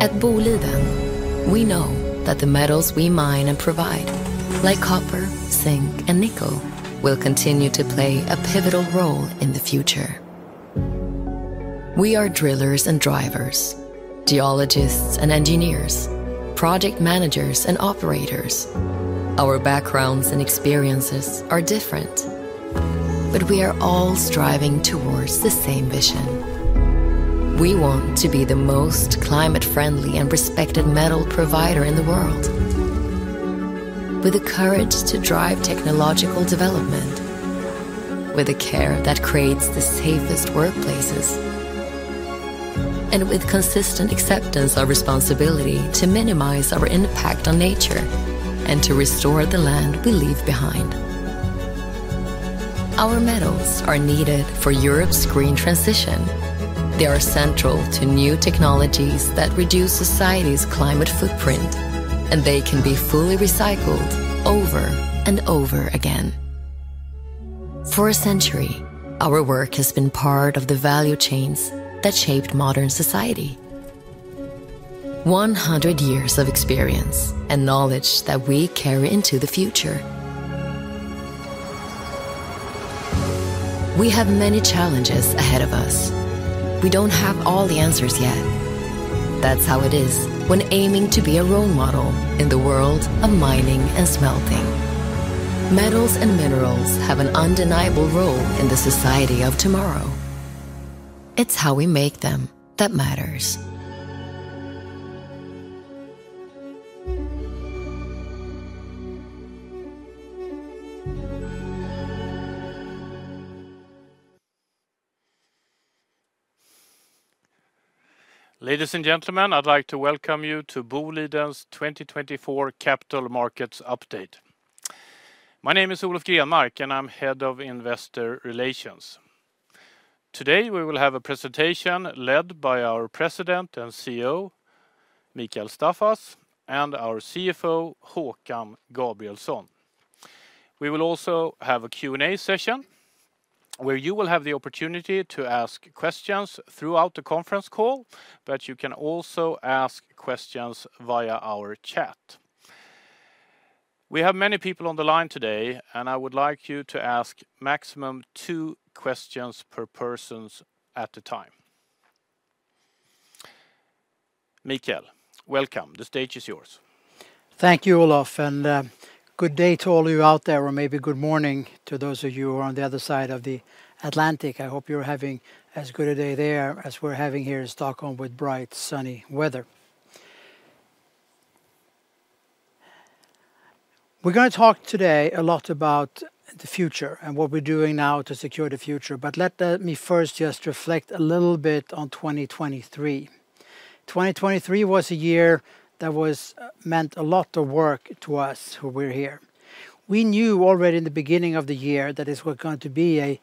At Boliden, we know that the metals we mine and provide, like copper, zinc, and nickel, will continue to play a pivotal role in the future. We are drillers and drivers, geologists and engineers, project managers and operators. Our backgrounds and experiences are different, but we are all striving towards the same vision: we want to be the most climate-friendly and respected metal provider in the world, with the courage to drive technological development, with a care that creates the safest workplaces, and with consistent acceptance of responsibility to minimize our impact on nature and to restore the land we leave behind. Our metals are needed for Europe's green transition. They are central to new technologies that reduce society's climate footprint, and they can be fully recycled over and over again. For a century, our work has been part of the value chains that shaped modern society: 100 years of experience and knowledge that we carry into the future. We have many challenges ahead of us. We don't have all the answers yet. That's how it is when aiming to be a role model in the world of mining and smelting. Metals and minerals have an undeniable role in the society of tomorrow. It's how we make them that matters. Ladies and gentlemen, I'd like to welcome you to Boliden's 2024 Capital Markets Update. My name is Olof Grenmark, and I'm Head of Investor Relations. Today we will have a presentation led by our President and CEO, Mikael Staffas, and our CFO, Håkan Gabrielsson. We will also have a Q&A session where you will have the opportunity to ask questions throughout the conference call, but you can also ask questions via our chat. We have many people on the line today, and I would like you to ask maximum two questions per person at a time. Mikael, welcome. The stage is yours. Thank you, Olof. Good day to all of you out there, or maybe good morning to those of you who are on the other side of the Atlantic. I hope you're having as good a day there as we're having here in Stockholm with bright, sunny weather. We're going to talk today a lot about the future and what we're doing now to secure the future. But let me first just reflect a little bit on 2023. 2023 was a year that meant a lot of work to us who were here. We knew already in the beginning of the year that this was going to be a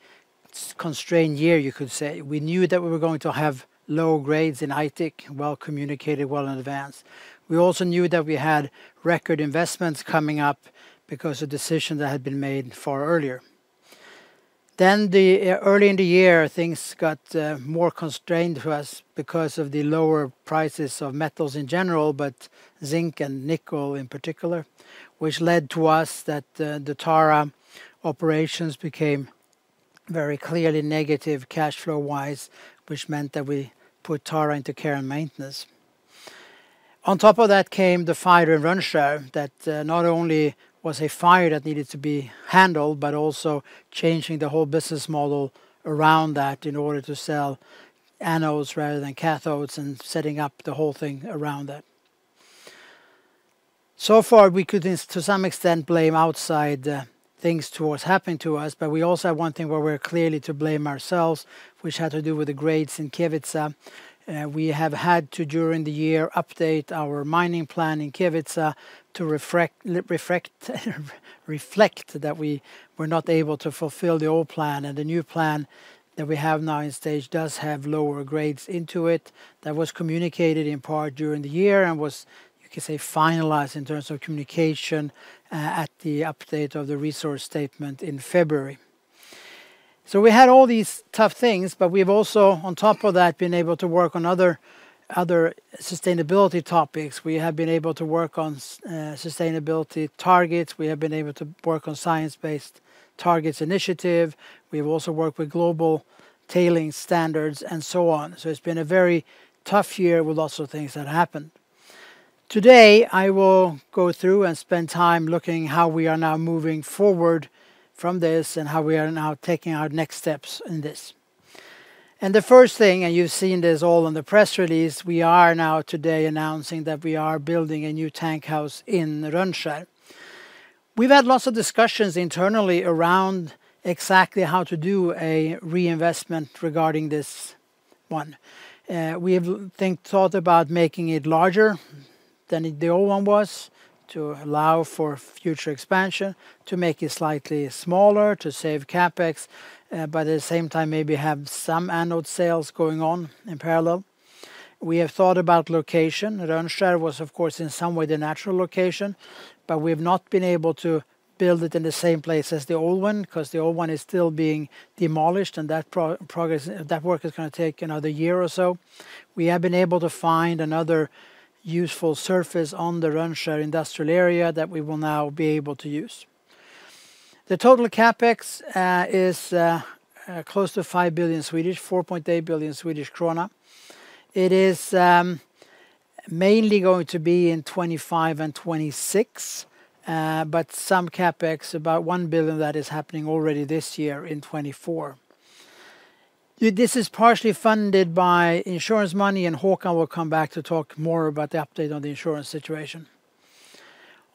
constrained year, you could say. We knew that we were going to have low grades in Aitik, well communicated, well in advance. We also knew that we had record investments coming up because of decisions that had been made far earlier. Then early in the year, things got more constrained to us because of the lower prices of metals in general, but zinc and nickel in particular, which led to us that the Tara operations became very clearly negative cash flow-wise, which meant that we put Tara into care and maintenance. On top of that came the fire in Rönnskär that not only was a fire that needed to be handled, but also changing the whole business model around that in order to sell anodes rather than cathodes and setting up the whole thing around that. So far we could, to some extent, blame outside things towards happening to us, but we also have one thing where we're clearly to blame ourselves, which had to do with the grades in Kevitsa. We have had to, during the year, update our mining plan in Kevitsa to reflect that we were not able to fulfill the old plan, and the new plan that we have now in stage does have lower grades into it. That was communicated in part during the year and was, you could say, finalized in terms of communication at the update of the resource statement in February. So we had all these tough things, but we've also, on top of that, been able to work on other sustainability topics. We have been able to work on sustainability targets. We have been able to work on Science Based Targets initiative. We have also worked with global tailings standards and so on. So it's been a very tough year with lots of things that happened. Today I will go through and spend time looking at how we are now moving forward from this and how we are now taking our next steps in this. The first thing, and you've seen this all in the press release, we are now today announcing that we are building a new tankhouse in Rönnskär. We've had lots of discussions internally around exactly how to do a reinvestment regarding this one. We have thought about making it larger than the old one was to allow for future expansion, to make it slightly smaller, to save CapEx, but at the same time maybe have some anode sales going on in parallel. We have thought about location. Rönnskär was, of course, in some way the natural location, but we have not been able to build it in the same place as the old one because the old one is still being demolished, and that work is going to take another year or so. We have been able to find another useful surface on the Rönnskär industrial area that we will now be able to use. The total CapEx is close to 5 billion, 4.8 billion Swedish krona. It is mainly going to be in 2025 and 2026, but some CapEx, about 1 billion, that is happening already this year in 2024. This is partially funded by insurance money, and Håkan will come back to talk more about the update on the insurance situation.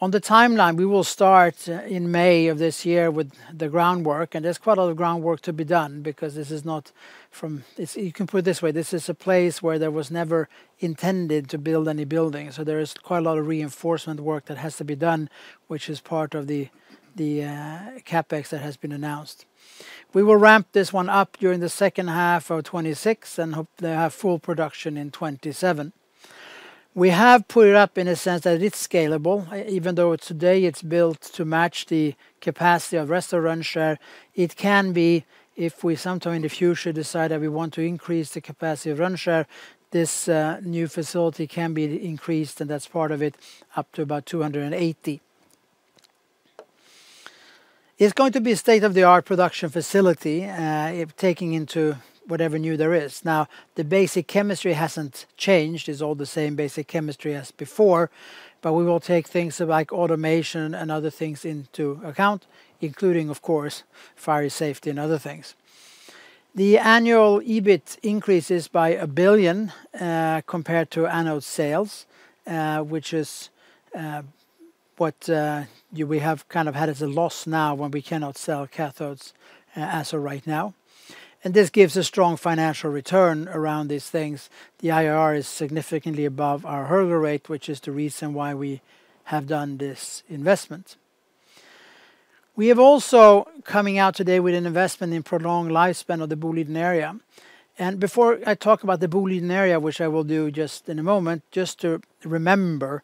On the timeline, we will start in May of this year with the groundwork, and there's quite a lot of groundwork to be done because this is not from you can put it this way. This is a place where there was never intended to build any building. So there is quite a lot of reinforcement work that has to be done, which is part of the CapEx that has been announced. We will ramp this one up during the second half of 2026 and hope to have full production in 2027. We have put it up in a sense that it's scalable. Even though today it's built to match the capacity of Rönnskär, it can be if we sometime in the future decide that we want to increase the capacity of Rönnskär, this new facility can be increased, and that's part of it, up to about 280. It's going to be a state-of-the-art production facility taking into whatever new there is. Now, the basic chemistry hasn't changed. It's all the same basic chemistry as before, but we will take things like automation and other things into account, including, of course, fire safety and other things. The annual EBIT increases by 1 billion compared to anode sales, which is what we have kind of had as a loss now when we cannot sell cathodes as of right now. And this gives a strong financial return around these things. The IRR is significantly above our hurdle rate, which is the reason why we have done this investment. We have also coming out today with an investment in prolonged lifespan of the Boliden Area. Before I talk about the Boliden Area, which I will do just in a moment, just to remember,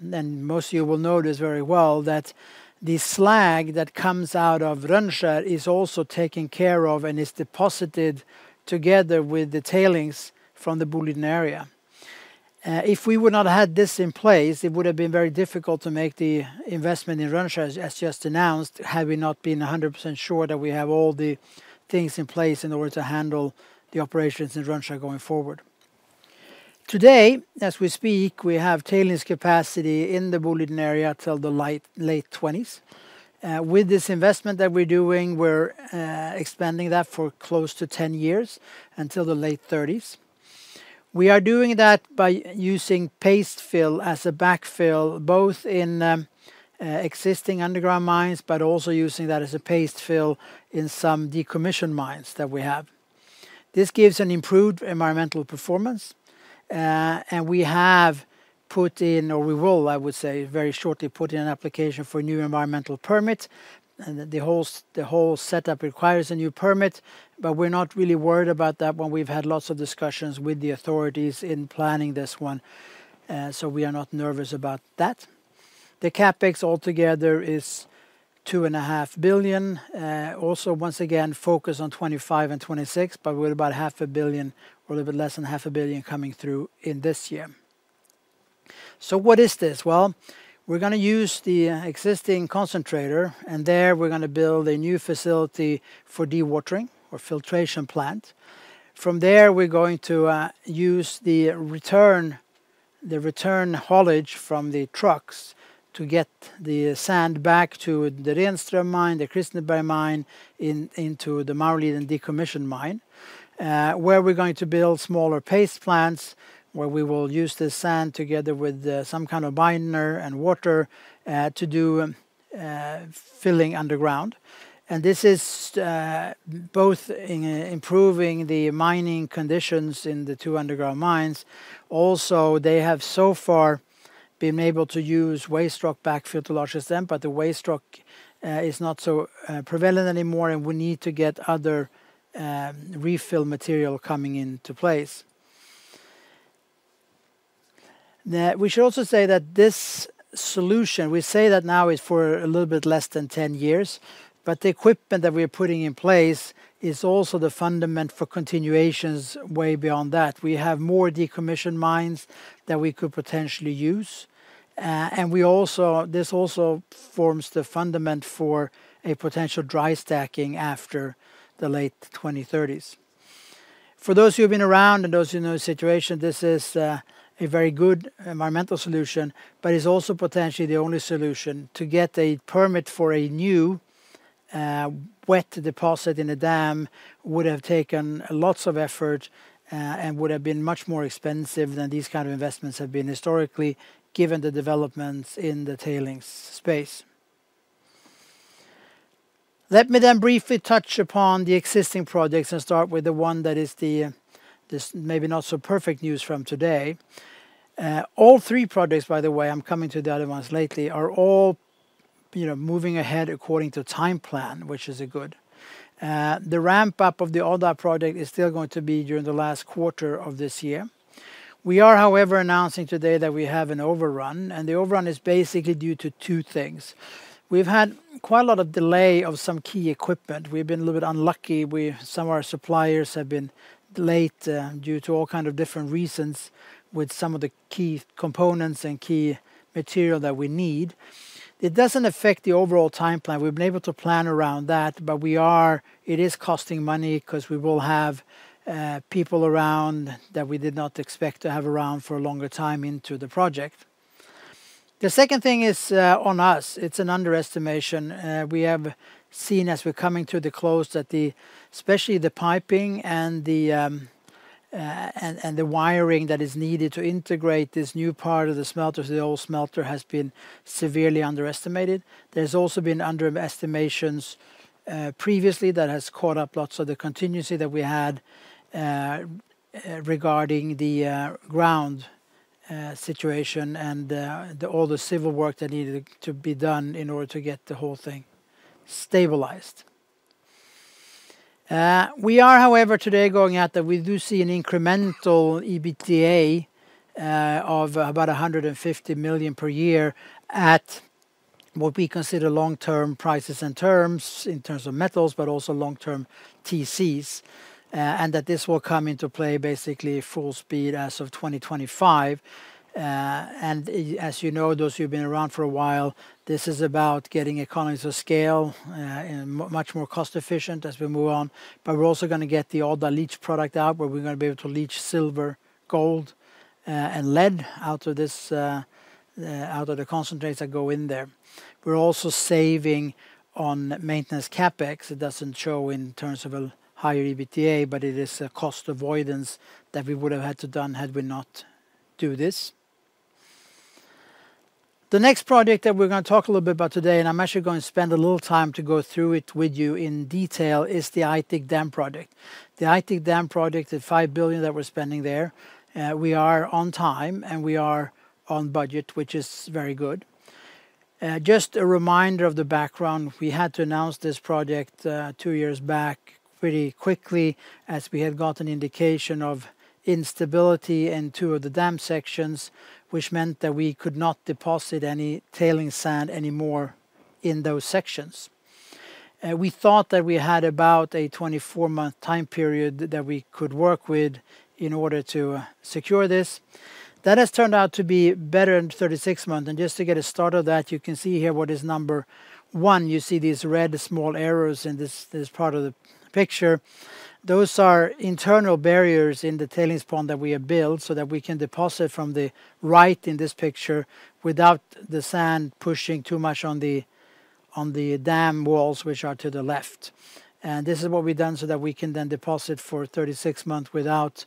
and most of you will notice very well, that the slag that comes out of Rönnskär is also taken care of and is deposited together with the tailings from the Boliden Area. If we would not have had this in place, it would have been very difficult to make the investment in Rönnskär, as just announced, had we not been 100% sure that we have all the things in place in order to handle the operations in Rönnskär going forward. Today, as we speak, we have tailings capacity in the Boliden Area until the late 2020s. With this investment that we're doing, we're expanding that for close to 10 years until the late 2030s. We are doing that by using paste fill as a backfill, both in existing underground mines, but also using that as a paste fill in some decommissioned mines that we have. This gives an improved environmental performance, and we have put in, or we will, I would say, very shortly put in an application for a new environmental permit. The whole setup requires a new permit, but we're not really worried about that when we've had lots of discussions with the authorities in planning this one, so we are not nervous about that. The CapEx altogether is 2.5 billion. Also, once again, focus on 2025 and 2026, but with about 500 million or a little bit less than 500 million coming through in this year. So what is this? Well, we're going to use the existing concentrator, and there we're going to build a new facility for dewatering or filtration plant. From there, we're going to use the return haulage from the trucks to get the sand back to the Renström mine, the Kristineberg mine, into the Maurliden decommissioned mine, where we're going to build smaller paste plants where we will use this sand together with some kind of binder and water to do filling underground. And this is both improving the mining conditions in the two underground mines. Also, they have so far been able to use waste rock backfill to a large extent, but the waste rock is not so prevalent anymore, and we need to get other refill material coming into place. We should also say that this solution, we say that now it's for a little bit less than 10 years, but the equipment that we are putting in place is also the foundation for continuation way beyond that. We have more decommissioned mines that we could potentially use, and this also forms the foundation for a potential dry stacking after the late 2030s. For those who have been around and those who know the situation, this is a very good environmental solution, but it's also potentially the only solution. To get a permit for a new wet deposit in a dam would have taken lots of effort and would have been much more expensive than these kinds of investments have been historically, given the developments in the tailings space. Let me then briefly touch upon the existing projects and start with the one that is maybe not so perfect news from today. All three projects, by the way, I'm coming to the other ones later, are all moving ahead according to time plan, which is good. The ramp-up of the Odda project is still going to be during the last quarter of this year. We are, however, announcing today that we have an overrun, and the overrun is basically due to two things. We've had quite a lot of delay of some key equipment. We've been a little bit unlucky. Some of our suppliers have been late due to all kinds of different reasons with some of the key components and key material that we need. It doesn't affect the overall time plan. We've been able to plan around that, but it is costing money because we will have people around that we did not expect to have around for a longer time into the project. The second thing is on us. It's an underestimation. We have seen as we're coming to the close that especially the piping and the wiring that is needed to integrate this new part of the smelter to the old smelter has been severely underestimated. There's also been underestimations previously that has caught up lots of the continuity that we had regarding the ground situation and all the civil work that needed to be done in order to get the whole thing stabilized. We are, however, today going out that we do see an incremental EBITDA of about 150 million per year at what we consider long-term prices and terms in terms of metals, but also long-term TCs, and that this will come into play basically full speed as of 2025. And as you know, those who have been around for a while, this is about getting economies of scale and much more cost-efficient as we move on. But we're also going to get the Odda leach product out where we're going to be able to leach silver, gold, and lead out of the concentrates that go in there. We're also saving on maintenance CapEx. It doesn't show in terms of a higher EBITDA, but it is a cost avoidance that we would have had to do had we not done this. The next project that we're going to talk a little bit about today, and I'm actually going to spend a little time to go through it with you in detail, is the Aitik dam project. The Aitik dam project, the 5 billion that we're spending there, we are on time and we are on budget, which is very good. Just a reminder of the background, we had to announce this project two years back pretty quickly as we had gotten indication of instability in two of the dam sections, which meant that we could not deposit any tailings anymore in those sections. We thought that we had about a 24-month time period that we could work with in order to secure this. That has turned out to be better than 36 months. Just to get a start of that, you can see here what is number one. You see these red small arrows in this part of the picture. Those are internal barriers in the tailings pond that we have built so that we can deposit from the right in this picture without the sand pushing too much on the dam walls, which are to the left. This is what we've done so that we can then deposit for 36 months without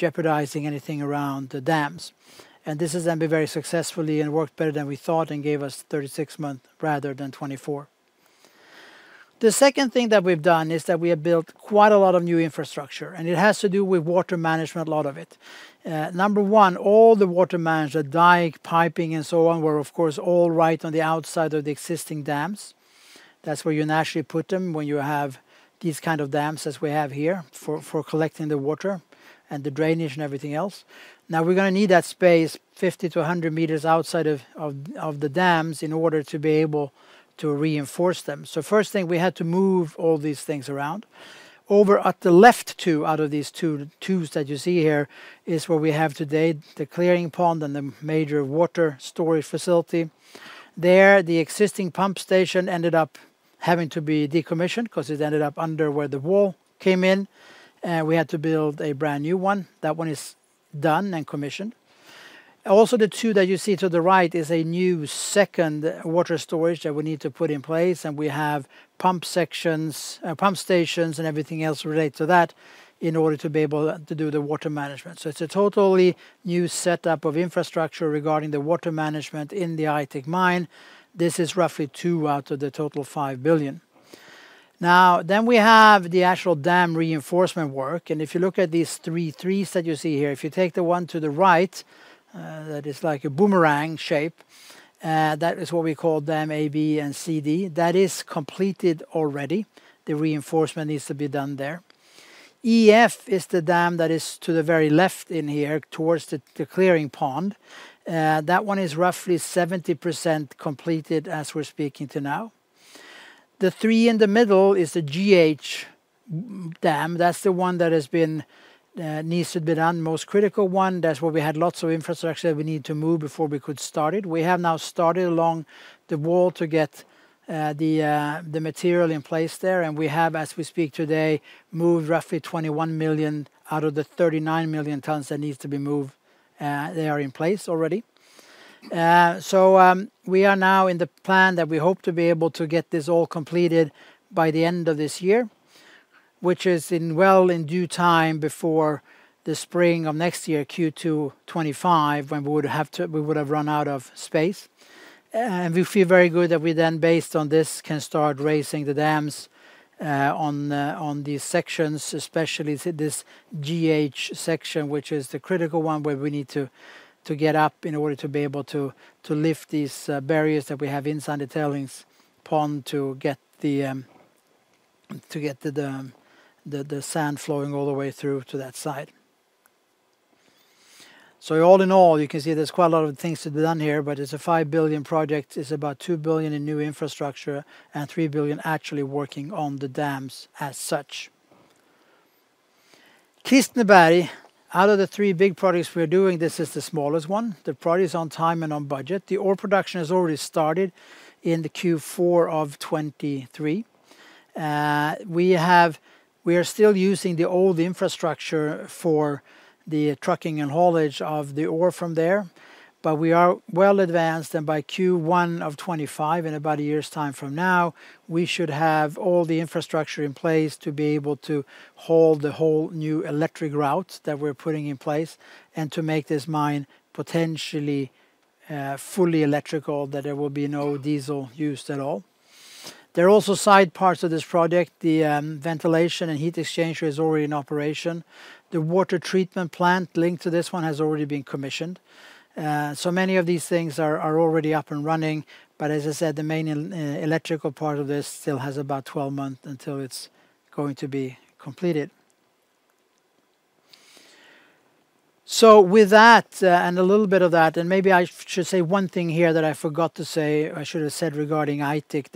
jeopardizing anything around the dams. This has then been very successfully and worked better than we thought and gave us 36 months rather than 24. The second thing that we've done is that we have built quite a lot of new infrastructure, and it has to do with water management, a lot of it. Number one, all the water management, dig, piping, and so on, were, of course, all right on the outside of the existing dams. That's where you naturally put them when you have these kinds of dams as we have here for collecting the water and the drainage and everything else. Now, we're going to need that space 50 m-100 m outside of the dams in order to be able to reinforce them. So first thing, we had to move all these things around. Over at the left two out of these two tubes that you see here is where we have today the clearing pond and the major water storage facility. There, the existing pump station ended up having to be decommissioned because it ended up under where the wall came in, and we had to build a brand new one. That one is done and commissioned. Also, the two that you see to the right is a new second water storage that we need to put in place, and we have pump stations and everything else related to that in order to be able to do the water management. So it's a totally new setup of infrastructure regarding the water management in the Aitik mine. This is roughly 2 billion out of the total 5 billion. Now, then we have the actual dam reinforcement work, and if you look at these three Ds that you see here, if you take the one to the right that is like a boomerang shape, that is what we call dam A, B, and C, D. That is completed already. The reinforcement needs to be done there. EF is the dam that is to the very left in here towards the clearing pond. That one is roughly 70% completed as we're speaking to now. The three in the middle is the GH dam. That's the one that has been needs to be done, most critical one. That's where we had lots of infrastructure that we need to move before we could start it. We have now started along the wall to get the material in place there, and we have, as we speak today, moved roughly 21 million out of the 39 million tons that need to be moved. They are in place already. So we are now in the plan that we hope to be able to get this all completed by the end of this year, which is well in due time before the spring of next year, Q2 2025, when we would have run out of space. We feel very good that we then, based on this, can start raising the dams on these sections, especially this GH section, which is the critical one where we need to get up in order to be able to lift these barriers that we have inside the tailings pond to get the sand flowing all the way through to that side. So all in all, you can see there's quite a lot of things to be done here, but it's a 5 billion project. It's about 2 billion in new infrastructure and 3 billion actually working on the dams as such. Kristineberg, out of the three big projects we're doing, this is the smallest one. The project is on time and on budget. The ore production has already started in Q4 of 2023. We are still using the old infrastructure for the trucking and haulage of the ore from there, but we are well advanced, and by Q1 of 2025, in about a year's time from now, we should have all the infrastructure in place to be able to haul the whole new electric route that we're putting in place and to make this mine potentially fully electrical, that there will be no diesel used at all. There are also side parts of this project. The ventilation and heat exchanger is already in operation. The water treatment plant linked to this one has already been commissioned. So many of these things are already up and running, but as I said, the main electrical part of this still has about 12 months until it's going to be completed. So with that and a little bit of that, and maybe I should say one thing here that I forgot to say, I should have said regarding Aitik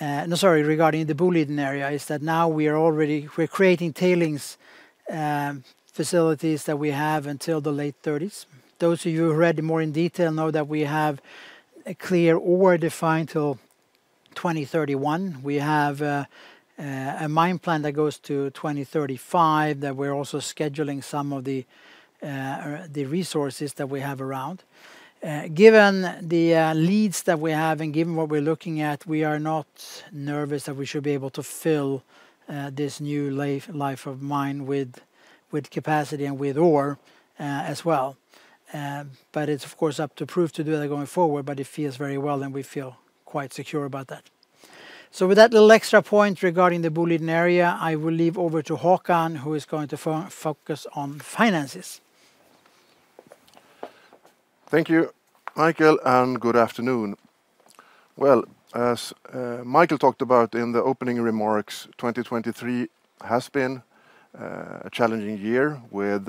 that—no, sorry, regarding the Boliden Area—is that now we are already creating tailings facilities that we have until the late 2030s. Those of you who read more in detail know that we have a clear ore defined till 2031. We have a mine plan that goes to 2035 that we're also scheduling some of the resources that we have around. Given the leads that we have and given what we're looking at, we are not nervous that we should be able to fill this new life of mine with capacity and with ore as well. But it's, of course, up to proof to do that going forward, but it feels very well, and we feel quite secure about that. So with that little extra point regarding the Boliden Area, I will hand over to Håkan, who is going to focus on finances. Thank you, Mikael, and good afternoon. Well, as Mikael talked about in the opening remarks, 2023 has been a challenging year with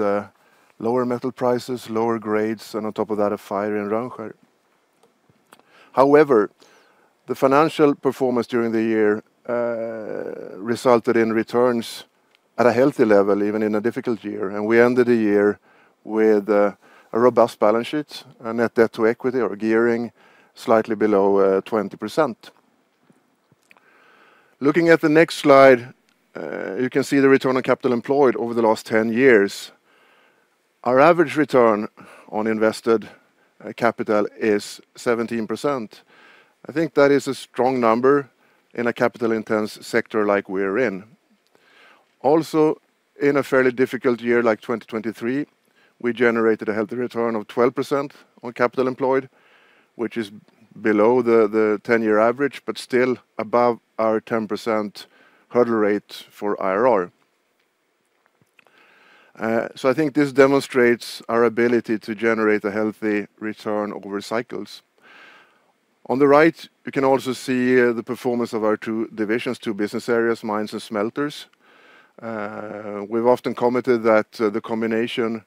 lower metal prices, lower grades, and on top of that, a fire in Rönnskär. However, the financial performance during the year resulted in returns at a healthy level even in a difficult year, and we ended the year with a robust balance sheet, a net debt to equity or gearing slightly below 20%. Looking at the next slide, you can see the return on capital employed over the last 10 years. Our average return on invested capital is 17%. I think that is a strong number in a capital-intense sector like we are in. Also, in a fairly difficult year like 2023, we generated a healthy return of 12% on capital employed, which is below the 10-year average but still above our 10% hurdle rate for IRR. So I think this demonstrates our ability to generate a healthy return over cycles. On the right, you can also see the performance of our two divisions, two business areas, mines and smelters. We've often commented that the combination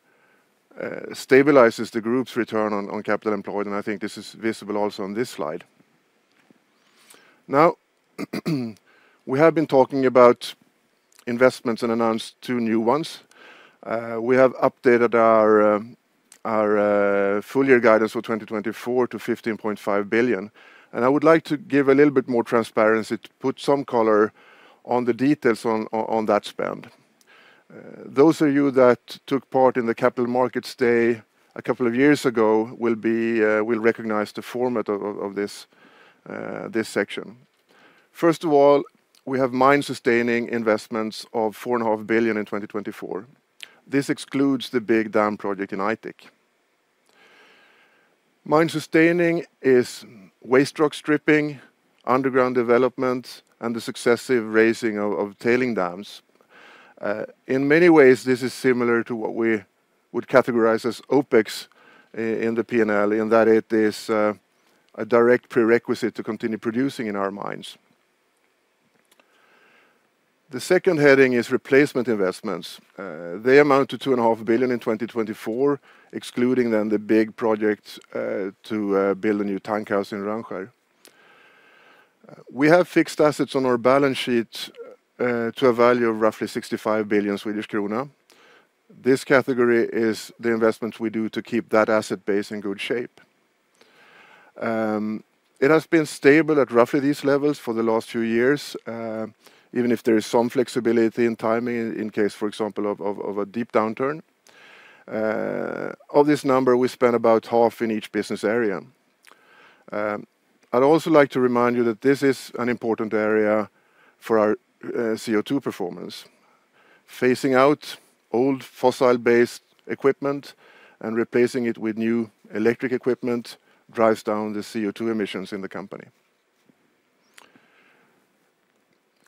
stabilizes the group's return on capital employed, and I think this is visible also on this slide. Now, we have been talking about investments and announced two new ones. We have updated our full-year guidance for 2024 to 15.5 billion, and I would like to give a little bit more transparency to put some color on the details on that spend. Those of you that took part in the Capital Markets Day a couple of years ago will recognize the format of this section. First of all, we have mine-sustaining investments of 4.5 billion in 2024. This excludes the big dam project in Aitik. Mine-sustaining is waste rock stripping, underground development, and the successive raising of tailings dams. In many ways, this is similar to what we would categorize as OpEx in the P&L in that it is a direct prerequisite to continue producing in our mines. The second heading is replacement investments. They amount to 2.5 billion in 2024, excluding then the big project to build a new tankhouse in Rönnskär. We have fixed assets on our balance sheet to a value of roughly 65 billion Swedish krona. This category is the investments we do to keep that asset base in good shape. It has been stable at roughly these levels for the last few years, even if there is some flexibility in timing in case, for example, of a deep downturn. Of this number, we spend about half in each business area. I'd also like to remind you that this is an important area for our CO2 performance. Facing out old fossil-based equipment and replacing it with new electric equipment drives down the CO2 emissions in the company.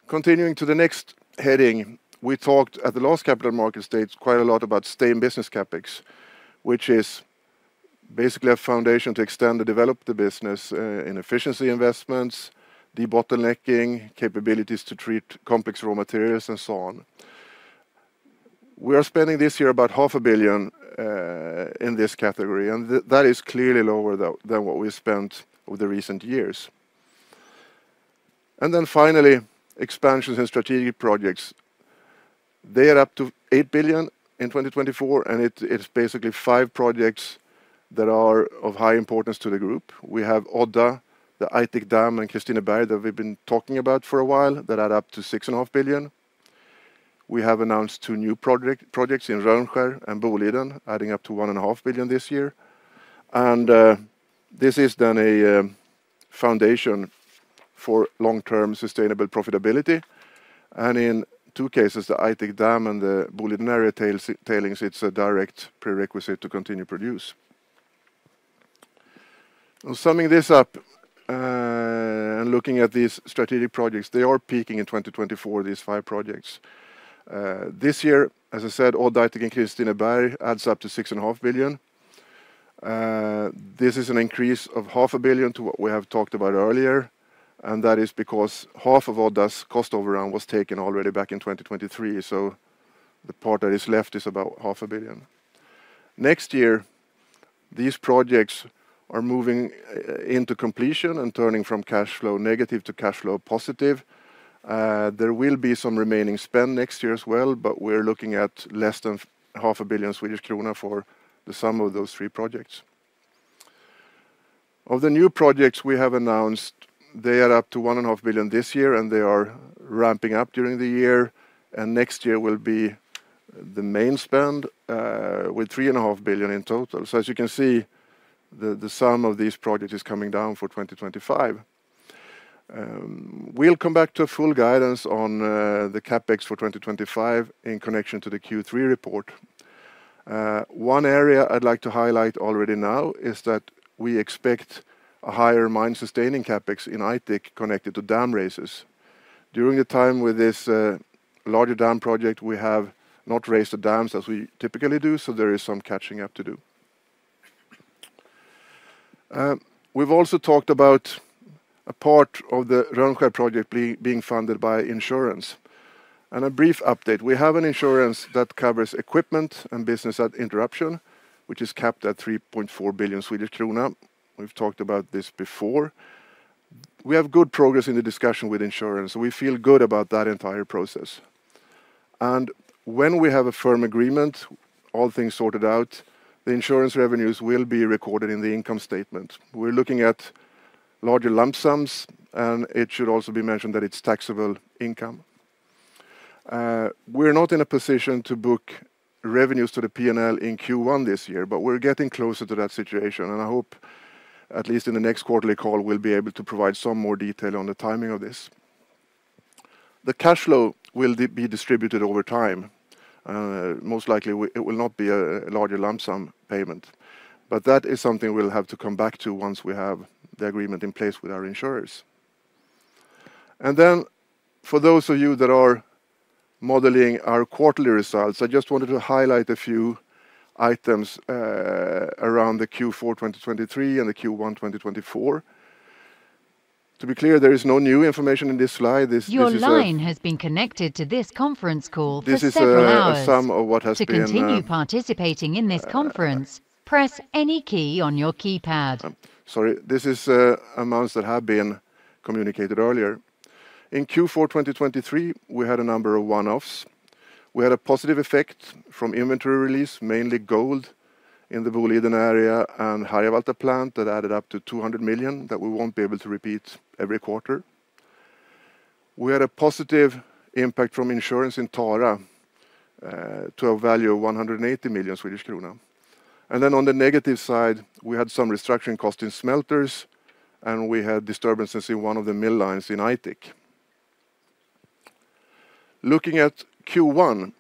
Continuing to the next heading, we talked at the last Capital Markets stage quite a lot about sustaining business CapEx, which is basically a foundation to extend and develop the business in efficiency investments, debottlenecking, capabilities to treat complex raw materials, and so on. We are spending this year about 500 million in this category, and that is clearly lower than what we spent over the recent years. Then finally, expansions and strategic projects. They are up to 8 billion in 2024, and it's basically five projects that are of high importance to the group. We have Odda, the Aitik dam, and Kristineberg that we've been talking about for a while that are up to 6.5 billion. We have announced two new projects in Rönnskär and Boliden, adding up to 1.5 billion this year. And this is then a foundation for long-term sustainable profitability. And in two cases, the Aitik dam and the Boliden area tailings, it's a direct prerequisite to continue to produce. Summing this up and looking at these strategic projects, they are peaking in 2024, these five projects. This year, as I said, Odda, Aitik, and Kristineberg adds up to 6.5 billion. This is an increase of 500 million to what we have talked about earlier, and that is because half of Odda's cost overrun was taken already back in 2023, so the part that is left is about 500 million. Next year, these projects are moving into completion and turning from cash flow negative to cash flow positive. There will be some remaining spend next year as well, but we're looking at less than 500 million Swedish krona for the sum of those three projects. Of the new projects we have announced, they are up to 1.5 billion this year, and they are ramping up during the year. Next year will be the main spend with 3.5 billion in total. As you can see, the sum of these projects is coming down for 2025. We'll come back to full guidance on the CapEx for 2025 in connection to the Q3 report. One area I'd like to highlight already now is that we expect a higher mine-sustaining CapEx in Aitik connected to dam raises. During the time with this larger dam project, we have not raised the dams as we typically do, so there is some catching up to do. We've also talked about a part of the Rönnskär project being funded by insurance. And a brief update, we have an insurance that covers equipment and business interruption, which is capped at 3.4 billion Swedish krona. We've talked about this before. We have good progress in the discussion with insurance, so we feel good about that entire process. And when we have a firm agreement, all things sorted out, the insurance revenues will be recorded in the income statement. We're looking at larger lump sums, and it should also be mentioned that it's taxable income. We're not in a position to book revenues to the P&L in Q1 this year, but we're getting closer to that situation, and I hope at least in the next quarterly call we'll be able to provide some more detail on the timing of this. The cash flow will be distributed over time. Most likely, it will not be a larger lump sum payment, but that is something we'll have to come back to once we have the agreement in place with our insurers. And then for those of you that are modeling our quarterly results, I just wanted to highlight a few items around the Q4 2023 and the Q1 2024. To be clear, there is no new information in this slide. This is some of what has been announced. Sorry. This is amounts that have been communicated earlier. In Q4 2023, we had a number of one-offs. We had a positive effect from inventory release, mainly gold in the Boliden Area and Harjavalta plant that added up to 200 million that we won't be able to repeat every quarter. We had a positive impact from insurance in Tara to a value of 180 million Swedish krona. And then on the negative side, we had some restructuring costs in smelters, and we had disturbances in one of the mill lines in Aitik. Looking at Q1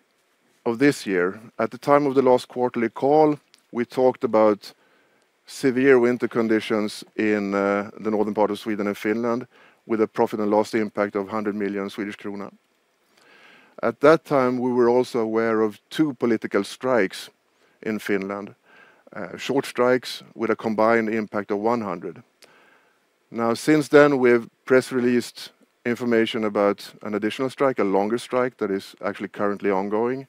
of this year, at the time of the last quarterly call, we talked about severe winter conditions in the northern part of Sweden and Finland with a profit and loss impact of 100 million Swedish krona. At that time, we were also aware of two political strikes in Finland, short strikes with a combined impact of 100 million. Now, since then, we've press-released information about an additional strike, a longer strike that is actually currently ongoing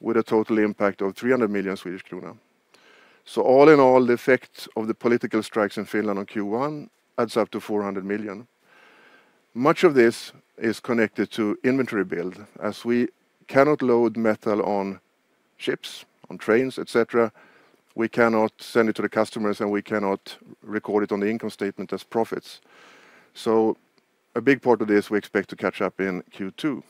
with a total impact of 300 million Swedish kronor. So all in all, the effect of the political strikes in Finland on Q1 adds up to 400 million. Much of this is connected to inventory build. As we cannot load metal on ships, on trains, etc., we cannot send it to the customers, and we cannot record it on the income statement as profits. So a big part of this we expect to catch up in Q2.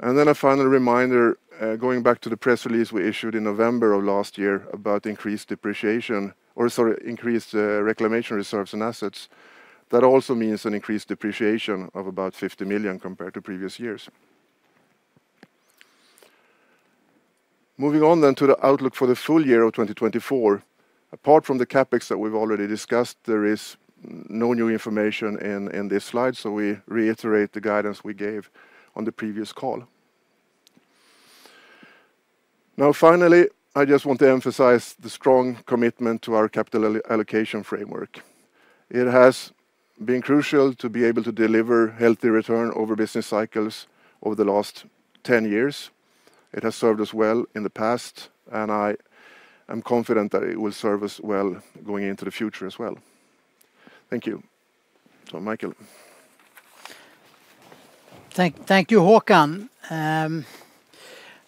And then a final reminder, going back to the press release we issued in November of last year about increased depreciation, or sorry, increased reclamation reserves and assets, that also means an increased depreciation of about 50 million compared to previous years. Moving on then to the outlook for the full-year of 2024, apart from the CapEx that we've already discussed, there is no new information in this slide, so we reiterate the guidance we gave on the previous call. Now, finally, I just want to emphasize the strong commitment to our capital allocation framework. It has been crucial to be able to deliver healthy return over business cycles over the last 10 years. It has served us well in the past, and I am confident that it will serve us well going into the future as well. Thank you. So, Mikael. Thank you, Håkan.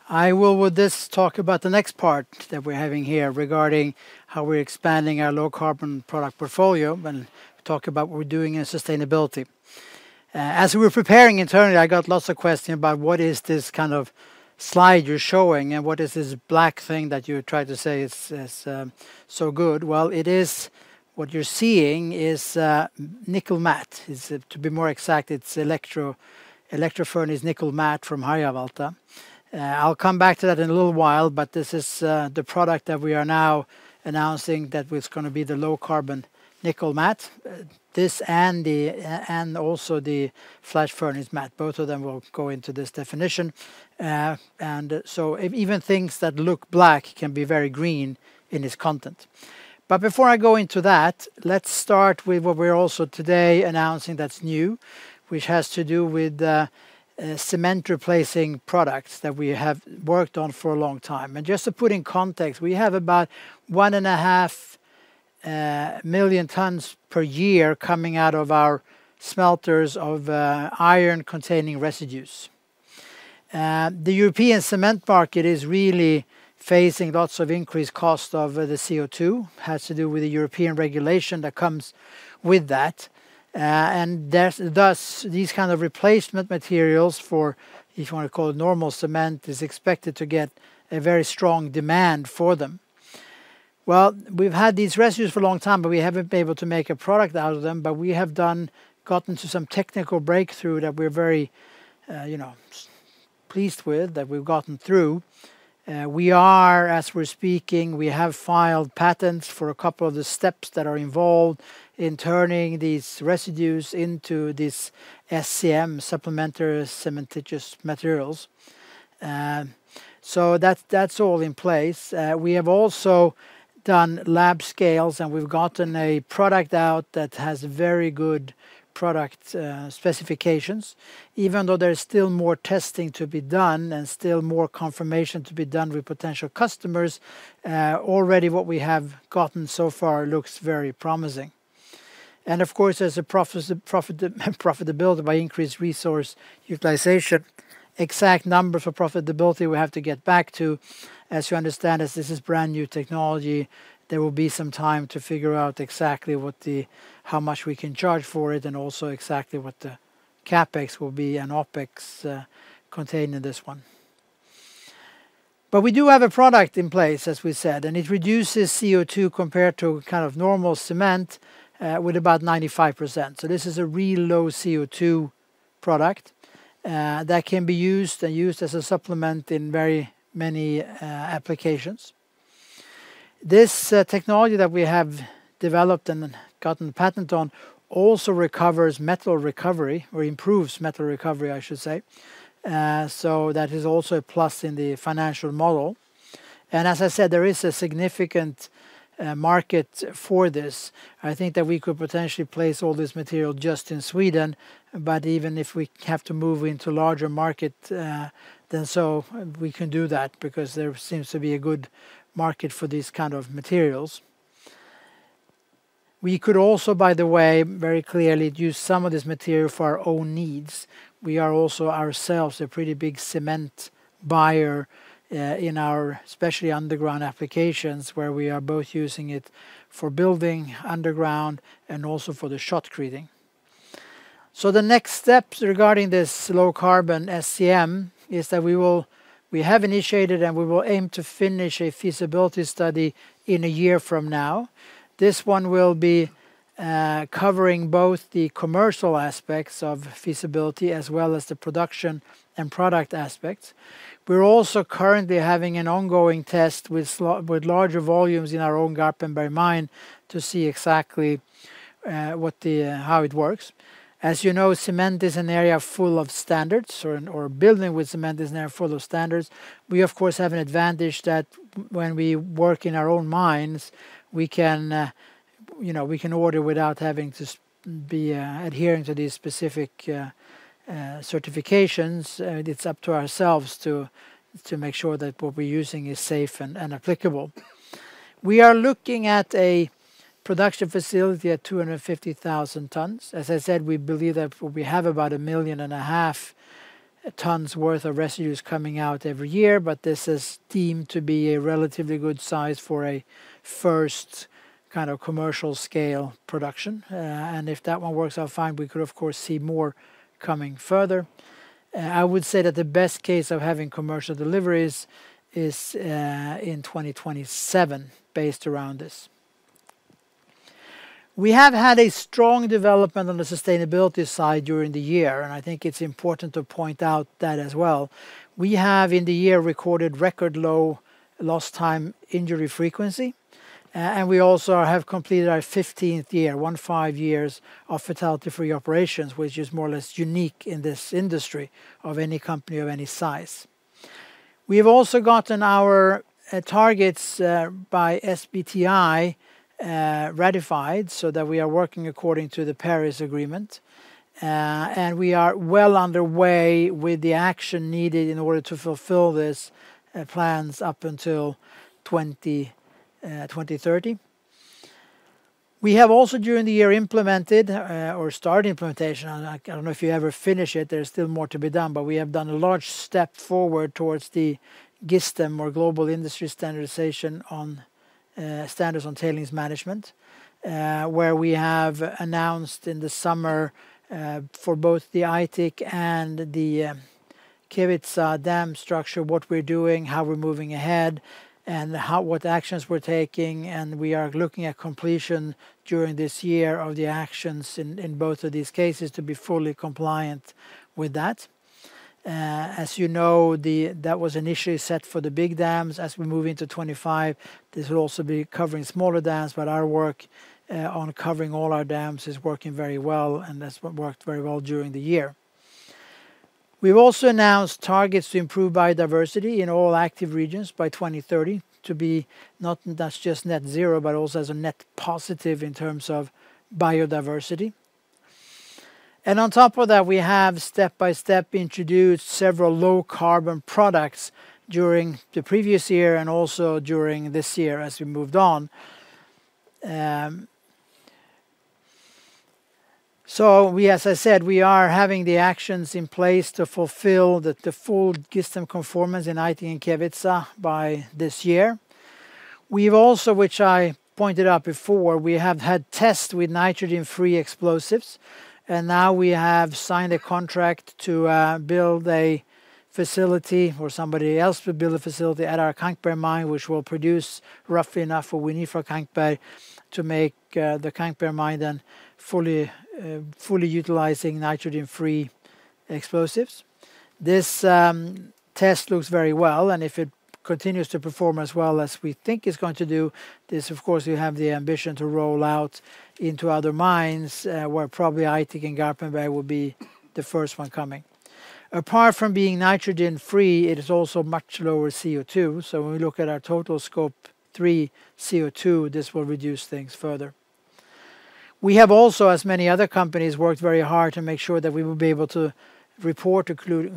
I will, with this, talk about the next part that we're having here regarding how we're expanding our low-carbon product portfolio and talk about what we're doing in sustainability. As we were preparing internally, I got lots of questions about what is this kind of slide you're showing and what is this black thing that you tried to say is so good. Well, what you're seeing is nickel matte. To be more exact, it's electro-furnace nickel matte from Harjavalta. I'll come back to that in a little while, but this is the product that we are now announcing that's going to be the low-carbon nickel matte. This and also the flash furnace matte. Both of them will go into this definition. And so even things that look black can be very green in its content. But before I go into that, let's start with what we're also today announcing, that's new, which has to do with cement replacing products that we have worked on for a long time. And just to put in context, we have about 1.5 million tons per year coming out of our smelters of iron-containing residues. The European cement market is really facing lots of increased costs of the CO2. It has to do with the European regulation that comes with that. And thus, these kinds of replacement materials for, if you want to call it normal cement, are expected to get a very strong demand for them. Well, we've had these residues for a long time, but we haven't been able to make a product out of them. But we have gotten to some technical breakthrough that we're very pleased with, that we've gotten through. We are, as we're speaking, we have filed patents for a couple of the steps that are involved in turning these residues into these SCM, Supplementary Cementitious Materials. So that's all in place. We have also done lab scales, and we've gotten a product out that has very good product specifications. Even though there's still more testing to be done and still more confirmation to be done with potential customers, already what we have gotten so far looks very promising. And of course, there's a profitability by increased resource utilization. Exact numbers for profitability we have to get back to. As you understand, as this is brand new technology, there will be some time to figure out exactly how much we can charge for it and also exactly what the CapEx will be and OpEx contained in this one. But we do have a product in place, as we said, and it reduces CO2 compared to kind of normal cement with about 95%. So this is a real low CO2 product that can be used and used as a supplement in very many applications. This technology that we have developed and gotten patent on also recovers metal recovery or improves metal recovery, I should say. So that is also a plus in the financial model. And as I said, there is a significant market for this. I think that we could potentially place all this material just in Sweden, but even if we have to move into larger markets, then so we can do that because there seems to be a good market for these kinds of materials. We could also, by the way, very clearly use some of this material for our own needs. We are also ourselves a pretty big cement buyer in our especially underground applications where we are both using it for building underground and also for the shotcreting. So the next steps regarding this low-carbon SCM is that we have initiated and we will aim to finish a feasibility study in a year from now. This one will be covering both the commercial aspects of feasibility as well as the production and product aspects. We're also currently having an ongoing test with larger volumes in our own Garpenberg mine to see exactly how it works. As you know, cement is an area full of standards or building with cement is an area full of standards. We, of course, have an advantage that when we work in our own mines, we can order without having to be adhering to these specific certifications. It's up to ourselves to make sure that what we're using is safe and applicable. We are looking at a production facility at 250,000 tons. As I said, we believe that we have about 1.5 million tons worth of residues coming out every year, but this is deemed to be a relatively good size for a first kind of commercial-scale production. And if that one works out fine, we could, of course, see more coming further. I would say that the best case of having commercial deliveries is in 2027 based around this. We have had a strong development on the sustainability side during the year, and I think it's important to point out that as well. We have, in the year, recorded record low lost time injury frequency, and we also have completed our 15th year, 15 years of fatality-free operations, which is more or less unique in this industry of any company of any size. We have also gotten our targets by SBTi ratified so that we are working according to the Paris Agreement, and we are well underway with the action needed in order to fulfill these plans up until 2030. We have also, during the year, implemented or started implementation. I don't know if you ever finish it. There's still more to be done, but we have done a large step forward towards the GISTM or Global Industry Standard on Tailings Management, where we have announced in the summer for both the Aitik and the Kevitsa dam structure what we're doing, how we're moving ahead, and what actions we're taking. We are looking at completion during this year of the actions in both of these cases to be fully compliant with that. As you know, that was initially set for the big dams. As we move into 2025, this will also be covering smaller dams, but our work on covering all our dams is working very well, and that's what worked very well during the year. We've also announced targets to improve biodiversity in all active regions by 2030 to be not just net zero but also as a net positive in terms of biodiversity. On top of that, we have step by step introduced several low-carbon products during the previous year and also during this year as we moved on. So, as I said, we are having the actions in place to fulfill the full GISTM conformance in Aitik and Kevitsa by this year. We've also, which I pointed out before, we have had tests with nitrogen-free explosives, and now we have signed a contract to build a facility or somebody else will build a facility at our Kankberg mine, which will produce roughly enough what we need for Kankberg to make the Kankberg mine then fully utilizing nitrogen-free explosives. This test looks very well, and if it continues to perform as well as we think it's going to do, this, of course, you have the ambition to roll out into other mines where probably Aitik and Garpenberg will be the first one coming. Apart from being nitrogen-free, it is also much lower CO2. So when we look at our total Scope 3 CO2, this will reduce things further. We have also, as many other companies, worked very hard to make sure that we will be able to report according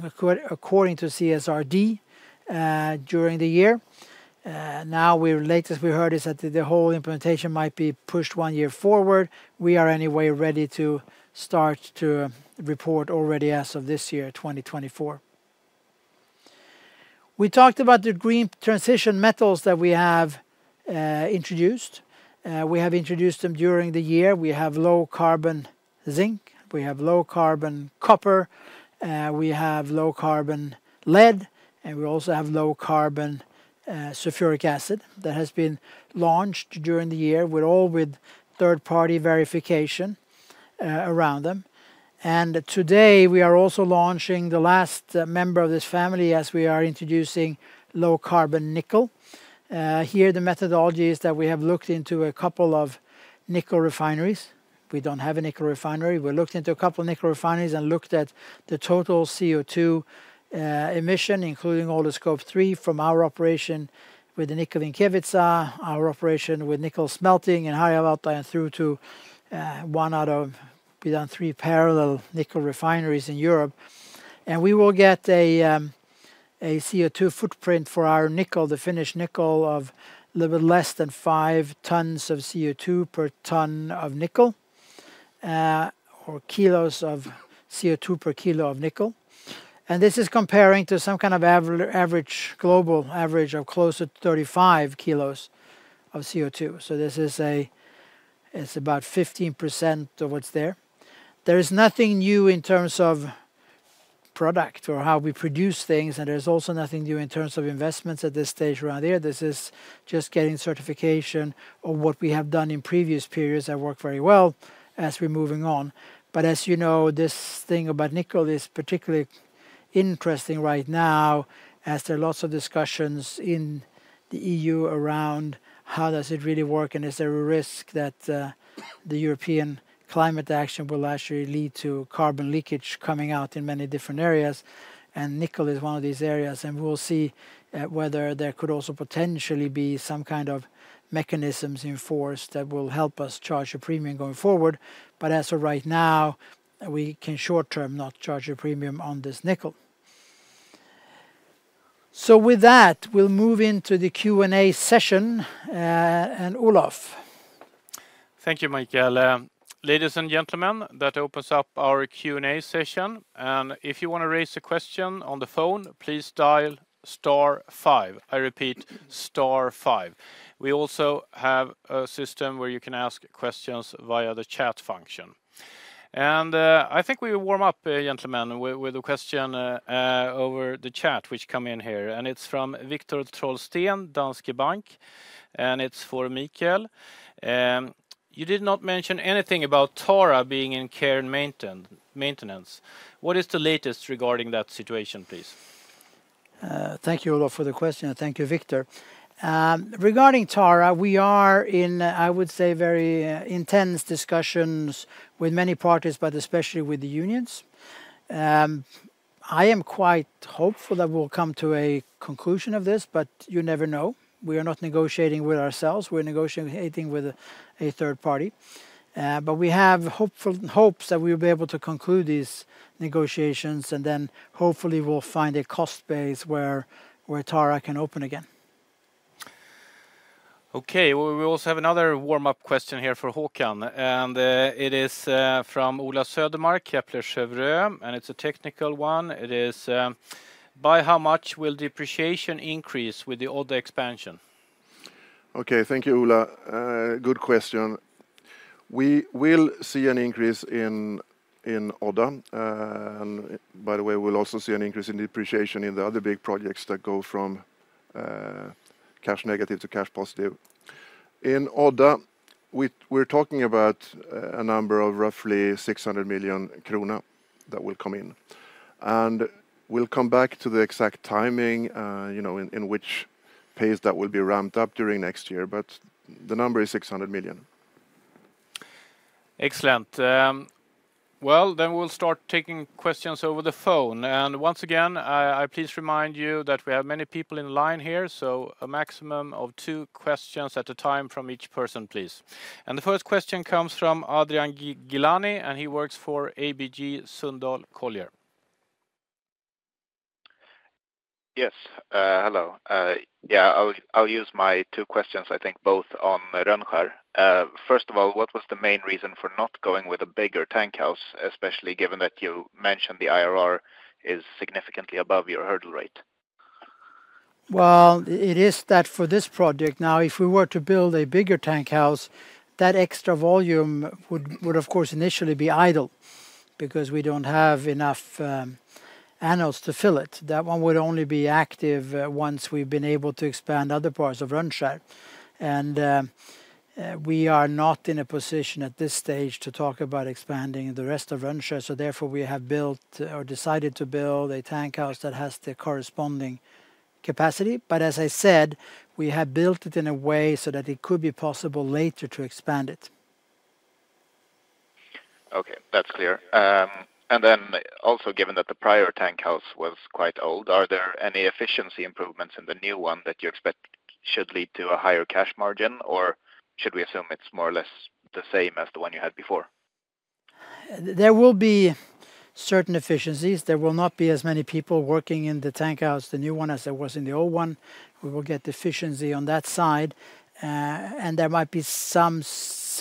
to CSRD during the year. Now, the latest we heard is that the whole implementation might be pushed one year forward. We are anyway ready to start to report already as of this year, 2024. We talked about the green transition metals that we have introduced. We have introduced them during the year. We have low-carbon zinc. We have low-carbon copper. We have low-carbon lead. We also have low-carbon sulfuric acid that has been launched during the year with all with third-party verification around them. Today, we are also launching the last member of this family as we are introducing low-carbon nickel. Here, the methodology is that we have looked into a couple of nickel refineries. We don't have a nickel refinery. We've looked into a couple of nickel refineries and looked at the total CO2 emission, including all the Scope 3 from our operation with the nickel in Kevitsa, our operation with nickel smelting in Harjavalta, and through to one out of we've done three parallel nickel refineries in Europe. We will get a CO2 footprint for our nickel, the finished nickel, of a little bit less than 5 tons of CO2 per ton of nickel or kilos of CO2 per kilo of nickel. This is comparing to some kind of average global average of closer to 35 kg of CO2. So it's about 15% of what's there. There is nothing new in terms of product or how we produce things, and there's also nothing new in terms of investments at this stage around here. This is just getting certification of what we have done in previous periods that work very well as we're moving on. But as you know, this thing about nickel is particularly interesting right now as there are lots of discussions in the EU around how does it really work, and is there a risk that the European climate action will actually lead to carbon leakage coming out in many different areas. And nickel is one of these areas, and we'll see whether there could also potentially be some kind of mechanisms enforced that will help us charge a premium going forward. But as of right now, we can short-term not charge a premium on this nickel. So with that, we'll move into the Q&A session. And Olof. Thank you, Mikael. Ladies and gentlemen, that opens up our Q&A session. And if you want to raise a question on the phone, please dial star five. I repeat, star five. We also have a system where you can ask questions via the chat function. I think we will warm up, gentlemen, with a question over the chat which come in here. And it's from Viktor Trollsten, Danske Bank. And it's for Mikael. You did not mention anything about Tara being in care and maintenance. What is the latest regarding that situation, please? Thank you, Olof, for the question. And thank you, Viktor. Regarding Tara, we are in, I would say, very intense discussions with many parties, but especially with the unions. I am quite hopeful that we'll come to a conclusion of this, but you never know. We are not negotiating with ourselves. We're negotiating with a third party. But we have hopes that we'll be able to conclude these negotiations, and then hopefully, we'll find a cost base where Tara can open again. Okay. We also have another warm-up question here for Håkan. And it is from Ola Södermark, Kepler Cheuvreux. And it's a technical one. It is, "By how much will depreciation increase with the Odda expansion?" Okay. Thank you, Ola. Good question. We will see an increase in Odda. And by the way, we'll also see an increase in depreciation in the other big projects that go from cash negative to cash positive. In Odda, we're talking about a number of roughly 600 million krona that will come in. And we'll come back to the exact timing in which pace that will be ramped up during next year, but the number is 600 million. Excellent. Well, then we'll start taking questions over the phone. Once again, I please remind you that we have many people in line here, so a maximum of two questions at a time from each person, please. The first question comes from Adrian Gilani, and he works for ABG Sundal Collier. Yes. Hello. Yeah. I'll use my two questions, I think, both on Rönnskär. First of all, what was the main reason for not going with a bigger tankhouse, especially given that you mentioned the IRR is significantly above your hurdle rate? Well, it is that for this project now, if we were to build a bigger tankhouse, that extra volume would, of course, initially be idle because we don't have enough anodes to fill it. That one would only be active once we've been able to expand other parts of Rönnskär. We are not in a position at this stage to talk about expanding the rest of Rönnskär. So therefore, we have built or decided to build a tankhouse that has the corresponding capacity. But as I said, we have built it in a way so that it could be possible later to expand it. Okay. That's clear. And then also, given that the prior tankhouse was quite old, are there any efficiency improvements in the new one that you expect should lead to a higher cash margin, or should we assume it's more or less the same as the one you had before? There will be certain efficiencies. There will not be as many people working in the tankhouse, the new one, as there was in the old one. We will get efficiency on that side. There might be some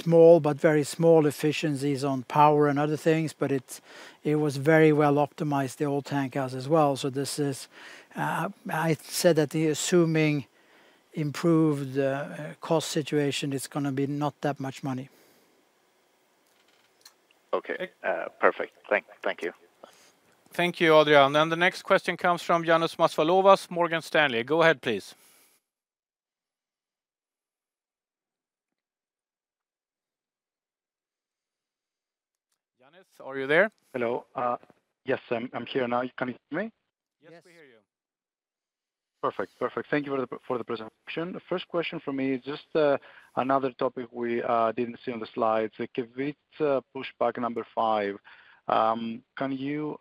small but very small efficiencies on power and other things, but it was very well optimized, the old tankhouse as well. I said that assuming improved cost situation, it's going to be not that much money. Okay. Perfect. Thank you. Thank you, Adrian. The next question comes from Ioannis Masvoulas, Morgan Stanley. Go ahead, please. Ioannis, are you there? Hello. Yes. I'm here now. Can you hear me? Yes. We hear you. Perfect. Perfect. Thank you for the presentation. The first question for me is just another topic we didn't see on the slides, the Kevitsa pushback 5. Can you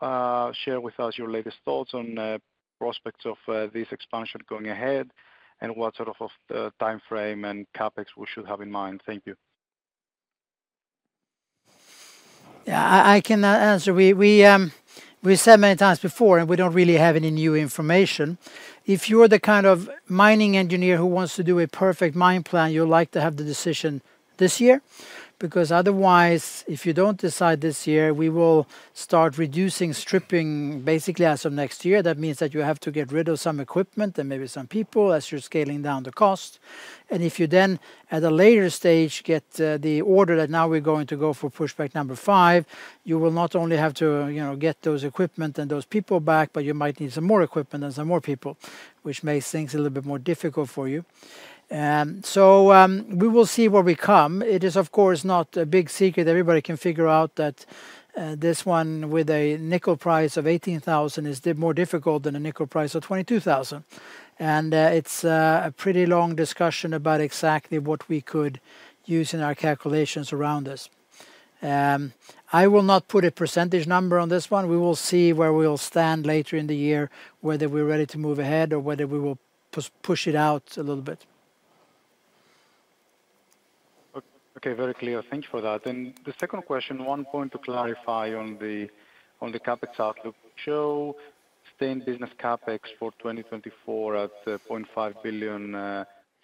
share with us your latest thoughts on prospects of this expansion going ahead and what sort of time frame and CapEx we should have in mind? Thank you. Yeah. I cannot answer. We said many times before, and we don't really have any new information. If you're the kind of mining engineer who wants to do a perfect mine plan, you'll like to have the decision this year because otherwise, if you don't decide this year, we will start reducing stripping basically as of next year. That means that you have to get rid of some equipment and maybe some people as you're scaling down the cost. If you then, at a later stage, get the order that now we're going to go for pushback number 5, you will not only have to get those equipment and those people back, but you might need some more equipment and some more people, which makes things a little bit more difficult for you. We will see where we come. It is, of course, not a big secret. Everybody can figure out that this one with a nickel price of $18,000 is more difficult than a nickel price of $22,000. And it's a pretty long discussion about exactly what we could use in our calculations around this. I will not put a percentage number on this one. We will see where we'll stand later in the year, whether we're ready to move ahead or whether we will push it out a little bit. Okay. Very clear. Thank you for that. And the second question, one point to clarify on the CapEx outlook. We show sustained business CapEx for 2024 at 0.5 billion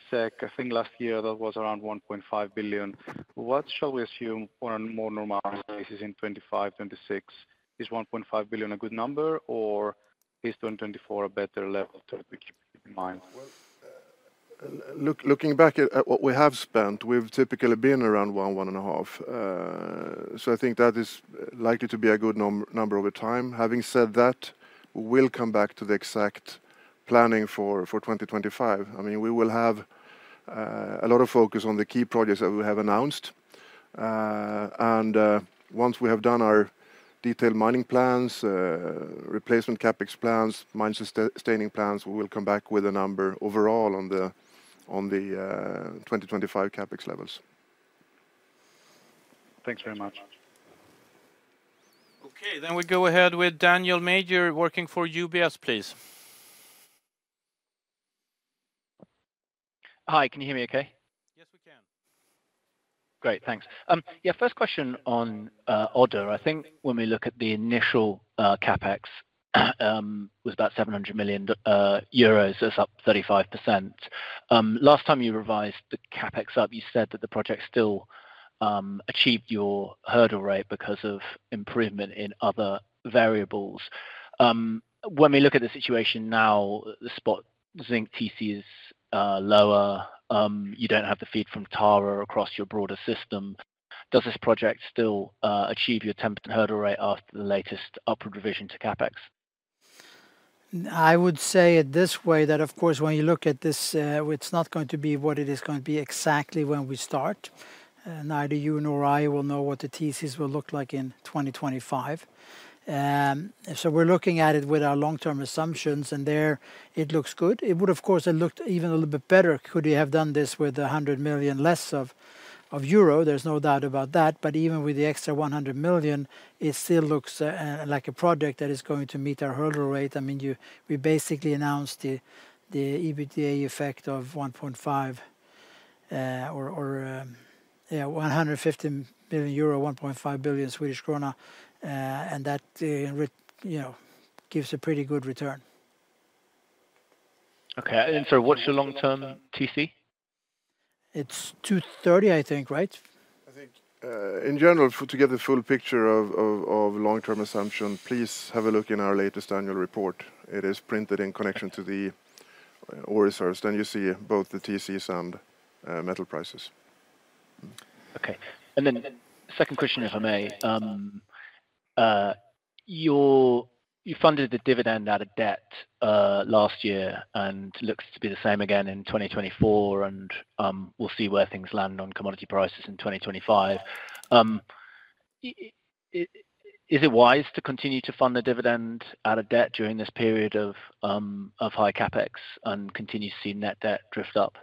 SEK. I think last year, that was around 1.5 billion. What shall we assume on a more normalized basis in 2025, 2026? Is 1.5 billion a good number, or is 2024 a better level to keep in mind? Well, looking back at what we have spent, we've typically been around 1 billion-1.5 billion. So I think that is likely to be a good number over time. Having said that, we will come back to the exact planning for 2025. I mean, we will have a lot of focus on the key projects that we have announced. And once we have done our detailed mining plans, replacement CapEx plans, mine-sustaining plans, we will come back with a number overall on the 2025 CapEx levels. Thanks very much. Okay. Then we go ahead with Daniel Major working for UBS, please. Hi. Can you hear me okay? Yes, we can. Great. Thanks. Yeah. First question on Odda. I think when we look at the initial CapEx, it was about 700 million euros. That's up 35%. Last time you revised the CapEx up, you said that the project still achieved your hurdle rate because of improvement in other variables. When we look at the situation now, the spot zinc TC is lower. You don't have the feed from Tara across your broader system. Does this project still achieve your hurdle rate after the latest upward revision to CapEx? I would say it this way that, of course, when you look at this, it's not going to be what it is going to be exactly when we start. Neither you nor I will know what the TCs will look like in 2025. So we're looking at it with our long-term assumptions. And there, it looks good. It would, of course, have looked even a little bit better could you have done this with 100 million less of euro. There's no doubt about that. But even with the extra 100 million, it still looks like a project that is going to meet our hurdle rate. I mean, we basically announced the EBITDA effect of 1.5 or, yeah, 150 million euro, 1.5 billion Swedish krona. And that gives a pretty good return. Okay. And so what's your long-term TC? It's 230, I think, right? I think in general, to get the full picture of long-term assumption, please have a look in our latest annual report. It is printed in connection to the Ore Reserves. Then you see both the TCs and metal prices. Okay. And then second question, if I may. You funded the dividend out of debt last year and looks to be the same again in 2024. And we'll see where things land on commodity prices in 2025. Is it wise to continue to fund the dividend out of debt during this period of high CapEx and continue to see net debt drift up?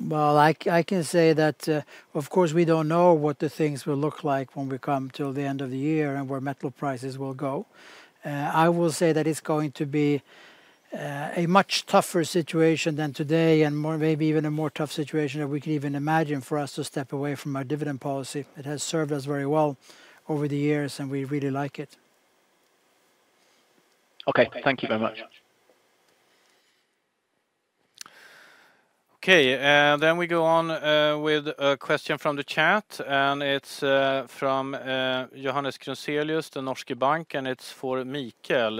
Well, I can say that, of course, we don't know what the things will look like when we come till the end of the year and where metal prices will go. I will say that it's going to be a much tougher situation than today and maybe even a more tough situation that we can even imagine for us to step away from our dividend policy. It has served us very well over the years, and we really like it. Okay. Thank you very much. Okay. Then we go on with a question from the chat. And it's from Johannes Grunselius, Den norske Bank. And it's for Mikael.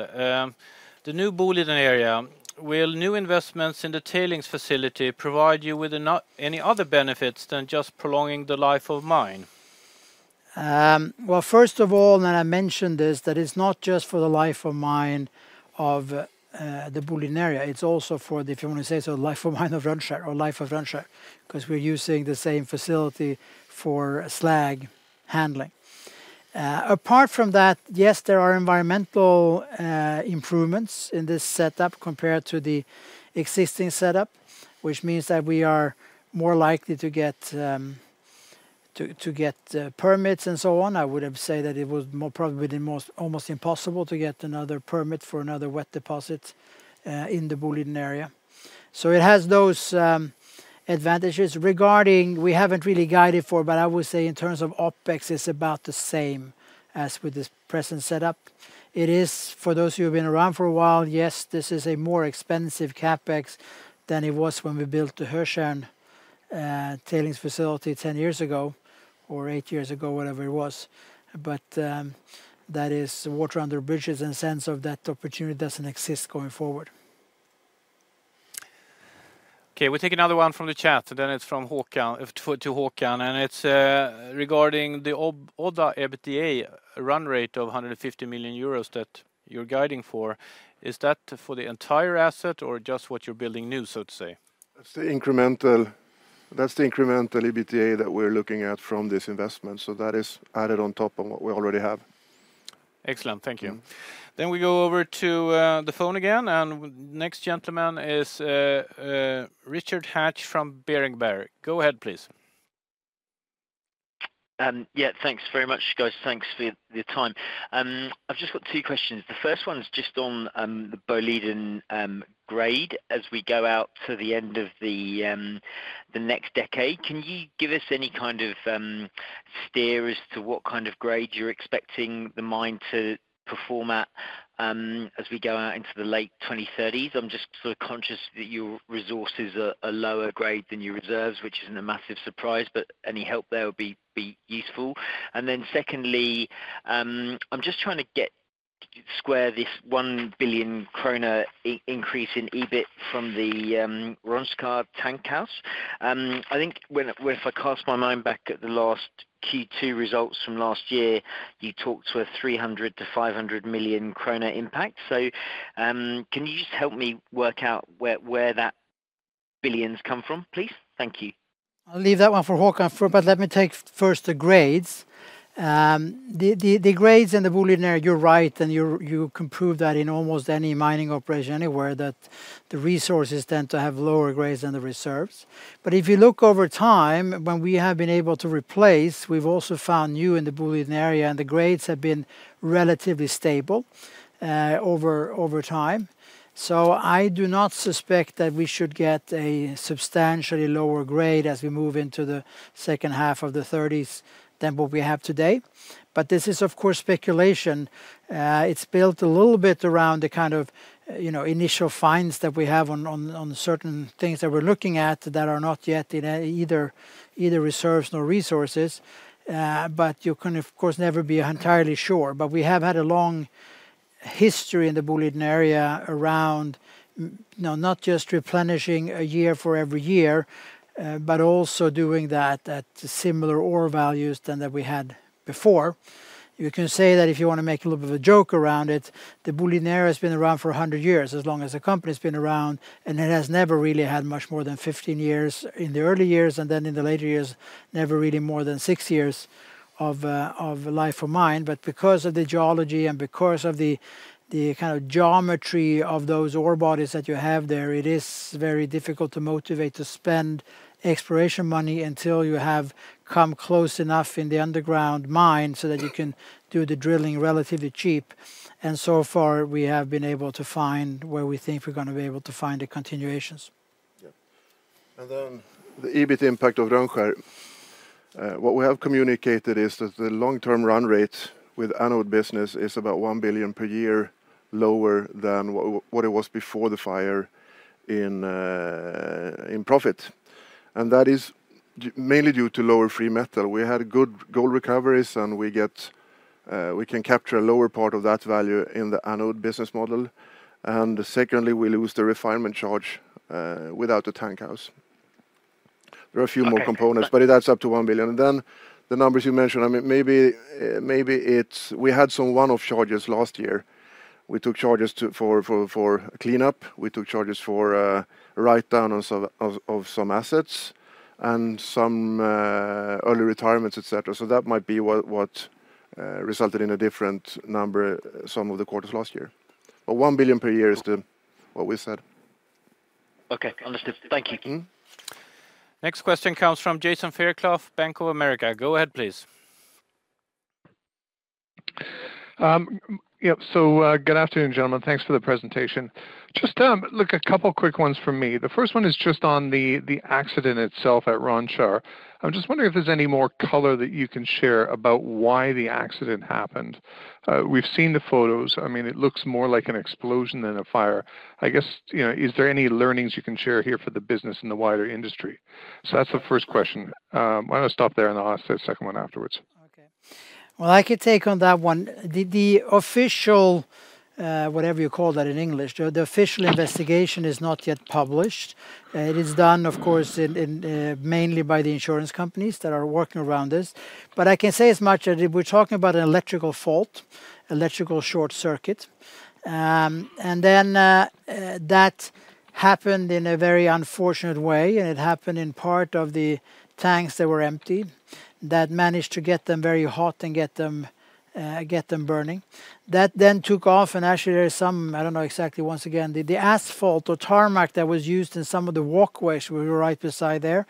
The new Boliden Area, will new investments in the tailings facility provide you with any other benefits than just prolonging the life of mine?" Well, first of all, and I mentioned this, that it's not just for the life of mine of the Boliden Area. It's also for the, if you want to say so, life of mine of Rönnskär or life of Rönnskär because we're using the same facility for slag handling. Apart from that, yes, there are environmental improvements in this setup compared to the existing setup, which means that we are more likely to get permits and so on. I would have said that it was more probably almost impossible to get another permit for another wet deposit in the Boliden Area. So it has those advantages. We haven't really guided for, but I would say in terms of OpEx, it's about the same as with this present setup. For those who have been around for a while, yes, this is a more expensive CapEx than it was when we built the Hötjärn tailings facility 10 years ago or eight years ago, whatever it was. But that is water under bridges, in the sense of that opportunity doesn't exist going forward. Okay. We take another one from the chat. Then it's to Håkan. And it's regarding the Odda EBITDA run rate of 150 million euros that you're guiding for. Is that for the entire asset or just what you're building new, so to say? That's the incremental EBITDA that we're looking at from this investment. So that is added on top of what we already have. Excellent. Thank you. Then we go over to the phone again. And next gentleman is Richard Hatch from Berenberg. Go ahead, please. Yeah. Thanks very much, guys. Thanks for your time. I've just got two questions. The first one is just on the Boliden grade as we go out to the end of the next decade. Can you give us any kind of steer as to what kind of grade you're expecting the mine to perform at as we go out into the late 2030s? I'm just sort of conscious that your resources are lower grade than your reserves, which isn't a massive surprise, but any help there would be useful. And then secondly, I'm just trying to square this 1 billion kronor increase in EBIT from the Rönnskär tankhouse. I think if I cast my mind back at the last Q2 results from last year, you talked to a 300 million-500 million kronor impact. So can you just help me work out where that billions come from, please? Thank you. I'll leave that one for Håkan. But let me take first the grades. The grades in the Boliden Area, you're right, and you can prove that in almost any mining operation anywhere, that the resources tend to have lower grades than the reserves. But if you look over time, when we have been able to replace, we've also found new in the Boliden Area, and the grades have been relatively stable over time. So I do not suspect that we should get a substantially lower grade as we move into the second half of the 2030s than what we have today. But this is, of course, speculation. It's built a little bit around the kind of initial finds that we have on certain things that we're looking at that are not yet in either reserves nor resources. But you can, of course, never be entirely sure. But we have had a long history in the Boliden Area around not just replenishing a year for every year but also doing that at similar ore values than that we had before. You can say that if you want to make a little bit of a joke around it, the Boliden Area has been around for 100 years, as long as the company's been around. And it has never really had much more than 15 years in the early years and then in the later years, never really more than six years of life of mine. But because of the geology and because of the kind of geometry of those ore bodies that you have there, it is very difficult to motivate to spend exploration money until you have come close enough in the underground mine so that you can do the drilling relatively cheap. And so far, we have been able to find where we think we're going to be able to find the continuations. Yeah. And then the EBIT impact of Rönnskär. What we have communicated is that the long-term run rate with anode business is about 1 billion per year lower than what it was before the fire in profit. And that is mainly due to lower free metal. We had good gold recoveries, and we can capture a lower part of that value in the anode business model. And secondly, we lose the refinement charge without the tankhouse. There are a few more components, but it adds up to 1 billion. And then the numbers you mentioned, I mean, maybe we had some one-off charges last year. We took charges for cleanup. We took charges for write-downs of some assets and some early retirements, etc. So that might be what resulted in a different number some of the quarters last year. But 1 billion per year is what we said. Okay. Understood. Thank you. Next question comes from Jason Fairclough, Bank of America. Go ahead, please. Yeah. So good afternoon, gentlemen. Thanks for the presentation. Just a couple of quick ones from me. The first one is just on the accident itself at Rönnskär. I'm just wondering if there's any more color that you can share about why the accident happened. We've seen the photos. I mean, it looks more like an explosion than a fire. I guess, is there any learnings you can share here for the business and the wider industry? So that's the first question. Why don't I stop there and ask that second one afterwards? Okay. Well, I could take on that one. Whatever you call that in English, the official investigation is not yet published. It is done, of course, mainly by the insurance companies that are working around this. But I can say as much that we're talking about an electrical fault, electrical short circuit. And then that happened in a very unfortunate way. And it happened in part of the tanks that were empty that managed to get them very hot and get them burning. That then took off. And actually, there's some I don't know exactly once again. The asphalt or tarmac that was used in some of the walkways we were right beside there,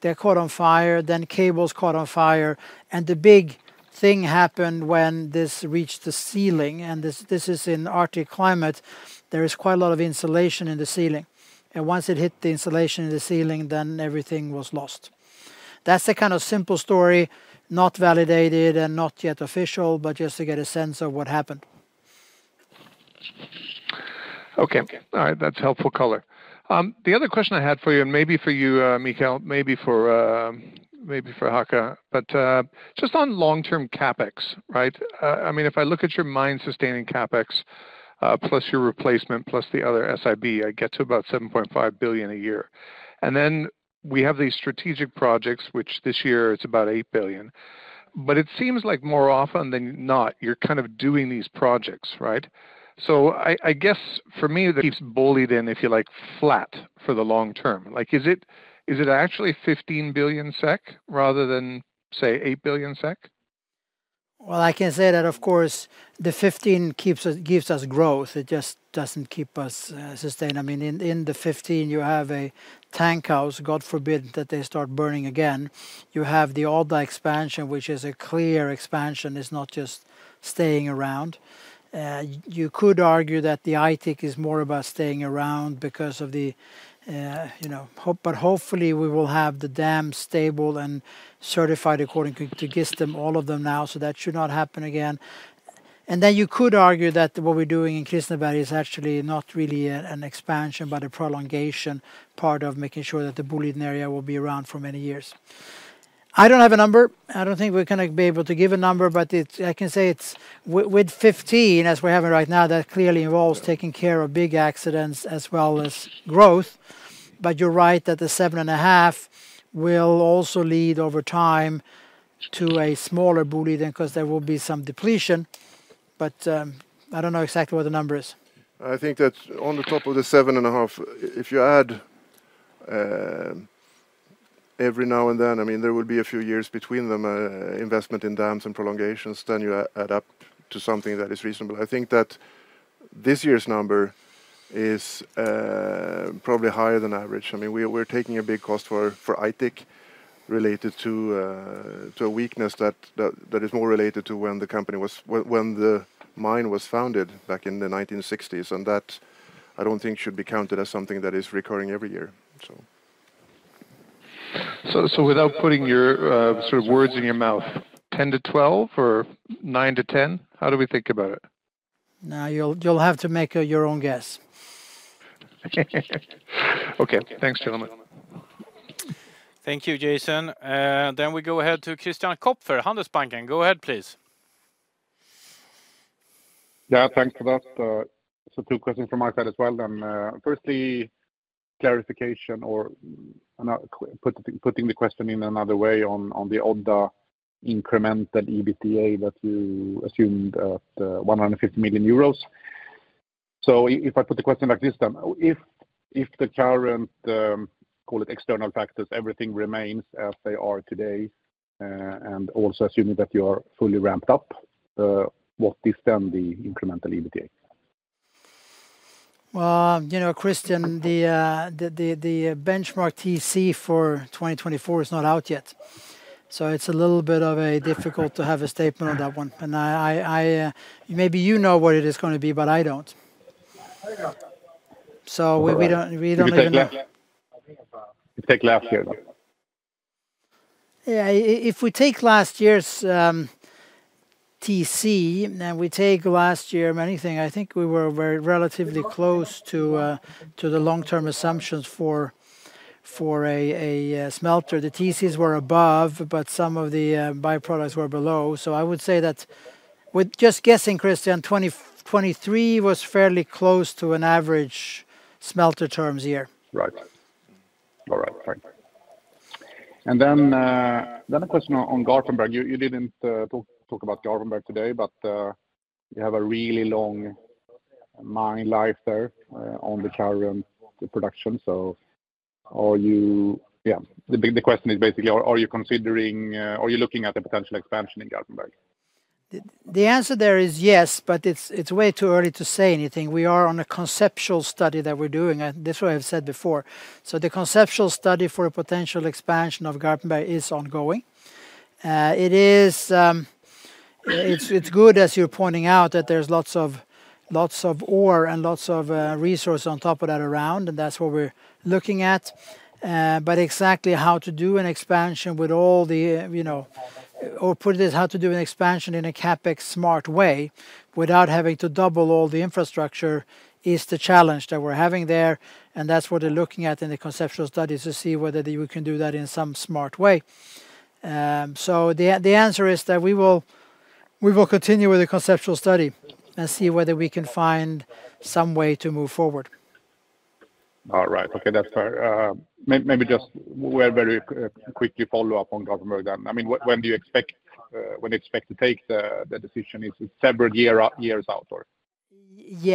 they caught on fire. Then cables caught on fire. And the big thing happened when this reached the ceiling. And this is in Arctic climate. There is quite a lot of insulation in the ceiling. And once it hit the insulation in the ceiling, then everything was lost. That's the kind of simple story, not validated and not yet official, but just to get a sense of what happened. Okay. All right. That's helpful color. The other question I had for you and maybe for you, Mikael, maybe for Håkan, but just on long-term CapEx, right? I mean, if I look at your mine-sustaining CapEx plus your replacement plus the other SIB, I get to about 7.5 billion a year. And then we have these strategic projects, which this year, it's about 8 billion. But it seems like more often than not, you're kind of doing these projects, right? So I guess for me, it keeps Boliden, if you like, flat for the long term. Is it actually 15 billion SEK rather than, say, 8 billion SEK? Well, I can say that, of course, the 15 gives us growth. It just doesn't keep us sustained. I mean, in the 15, you have a tankhouse. God forbid that they start burning again. You have the Odda expansion, which is a clear expansion. It's not just staying around. You could argue that the Aitik is more about staying around because of the but hopefully, we will have the dams stable and certified according to GISTM, all of them now. So that should not happen again. You could argue that what we're doing in Kristineberg is actually not really an expansion but a prolongation part of making sure that the Boliden Area will be around for many years. I don't have a number. I don't think we're going to be able to give a number. I can say with 15, as we're having right now, that clearly involves taking care of big accidents as well as growth. You're right that the 7.5 will also lead over time to a smaller Boliden Area because there will be some depletion. I don't know exactly what the number is. I think that on the top of the 7.5, if you add every now and then I mean, there will be a few years between them, investment in dams and prolongations. You add up to something that is reasonable. I think that this year's number is probably higher than average. I mean, we're taking a big cost for Aitik related to a weakness that is more related to when the company was when the mine was founded back in the 1960s. And that, I don't think, should be counted as something that is recurring every year, so. So without putting your sort of words in your mouth. 10-12 or nine to 10? How do we think about it? No, you'll have to make your own guess. Okay. Thanks, gentlemen. Thank you, Jason. Then we go ahead to Christian Kopfer, Handelsbanken. Go ahead, please. Yeah. Thanks for that. So two questions from my side as well. Firstly, clarification or putting the question in another way on the Odda incremental EBITDA that you assumed at 150 million euros. So if I put the question like this, then if the current call it external factors, everything remains as they are today and also assuming that you are fully ramped up, what is then the incremental EBITDA? Well, Christian, the benchmark TC for 2024 is not out yet. So it's a little bit of a difficult to have a statement on that one. And maybe you know what it is going to be, but I don't. So we don't even know. You take last year, though. Yeah. If we take last year's TC and we take last year many things, I think we were relatively close to the long-term assumptions for a smelter. The TCs were above, but some of the byproducts were below. So I would say that just guessing, Christian, 2023 was fairly close to an average smelter terms year. Right. All right. Thanks. Then a question on Garpenberg. You didn't talk about Garpenberg today, but you have a really long mine life there on the current production. So yeah, the question is basically, are you considering are you looking at a potential expansion in Garpenberg? The answer there is yes, but it's way too early to say anything. We are on a conceptual study that we're doing. This is what I've said before. So the conceptual study for a potential expansion of Garpenberg is ongoing. It's good, as you're pointing out, that there's lots of ore and lots of resources on top of that around. And that's what we're looking at. But exactly how to do an expansion with all the or put it as how to do an expansion in a CapEx-smart way without having to double all the infrastructure is the challenge that we're having there. And that's what they're looking at in the conceptual study is to see whether we can do that in some smart way. So the answer is that we will continue with the conceptual study and see whether we can find some way to move forward. All right. Okay. Maybe just we'll have a very quick follow-up on Garpenberg then. I mean, when do you expect when they expect to take the decision? Is it several years out or?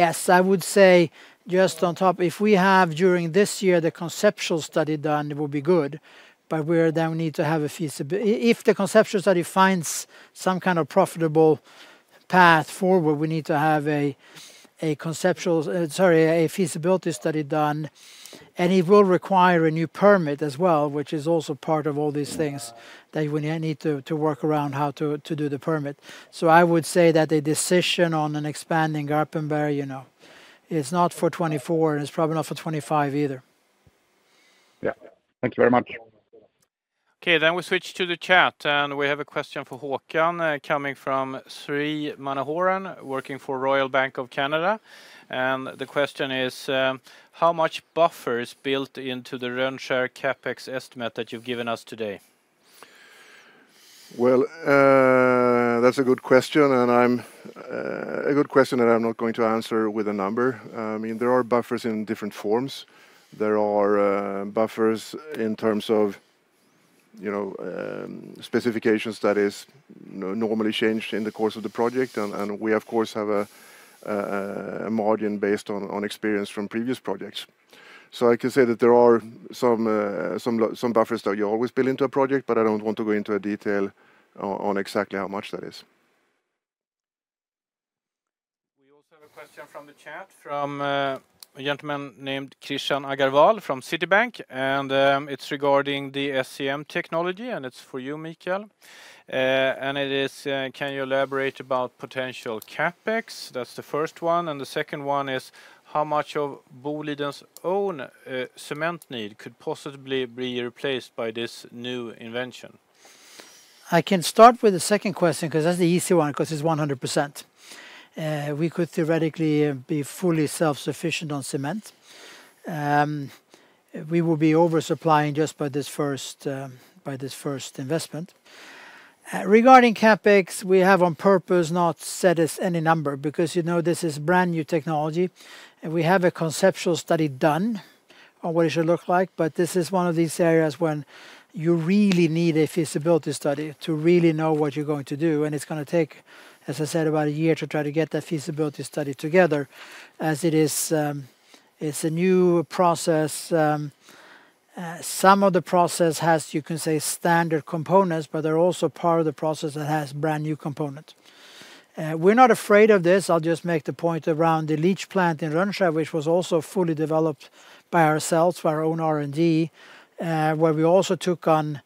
Yes. I would say just on top if we have during this year the conceptual study done, it will be good. But we then need to have a feasibility if the conceptual study finds some kind of profitable path forward, we need to have a conceptual sorry, a feasibility study done. It will require a new permit as well, which is also part of all these things that we need to work around how to do the permit. So I would say that a decision on expanding Garpenberg is not for 2024, and it's probably not for 2025 either. Yeah. Thank you very much. Okay. We switch to the chat. We have a question for Håkan coming from Srivathsan Manoharan, working for Royal Bank of Canada. The question is, how much buffer is built into the Rönnskär CapEx estimate that you've given us today? Well, that's a good question. A good question that I'm not going to answer with a number. I mean, there are buffers in different forms. There are buffers in terms of specifications that is normally changed in the course of the project. We, of course, have a margin based on experience from previous projects. So I can say that there are some buffers that you always build into a project. But I don't want to go into a detail on exactly how much that is. We also have a question from the chat from a gentleman named Krishan Agarwal from Citi. And it's regarding the SCM technology. And it's for you, Mikael. And it is, can you elaborate about potential CapEx? That's the first one. And the second one is, how much of Boliden's own cement need could possibly be replaced by this new invention? I can start with the second question because that's the easy one because it's 100%. We could theoretically be fully self-sufficient on cement. We will be oversupplying just by this first investment. Regarding CapEx, we have on purpose not set any number because this is brand new technology. We have a conceptual study done on what it should look like. This is one of these areas when you really need a feasibility study to really know what you're going to do. It's going to take, as I said, about a year to try to get that feasibility study together as it is a new process. Some of the process has, you can say, standard components, but they're also part of the process that has brand new components. We're not afraid of this. I'll just make the point around the leach plant in Rönnskär, which was also fully developed by ourselves, by our own R&D, where we also took on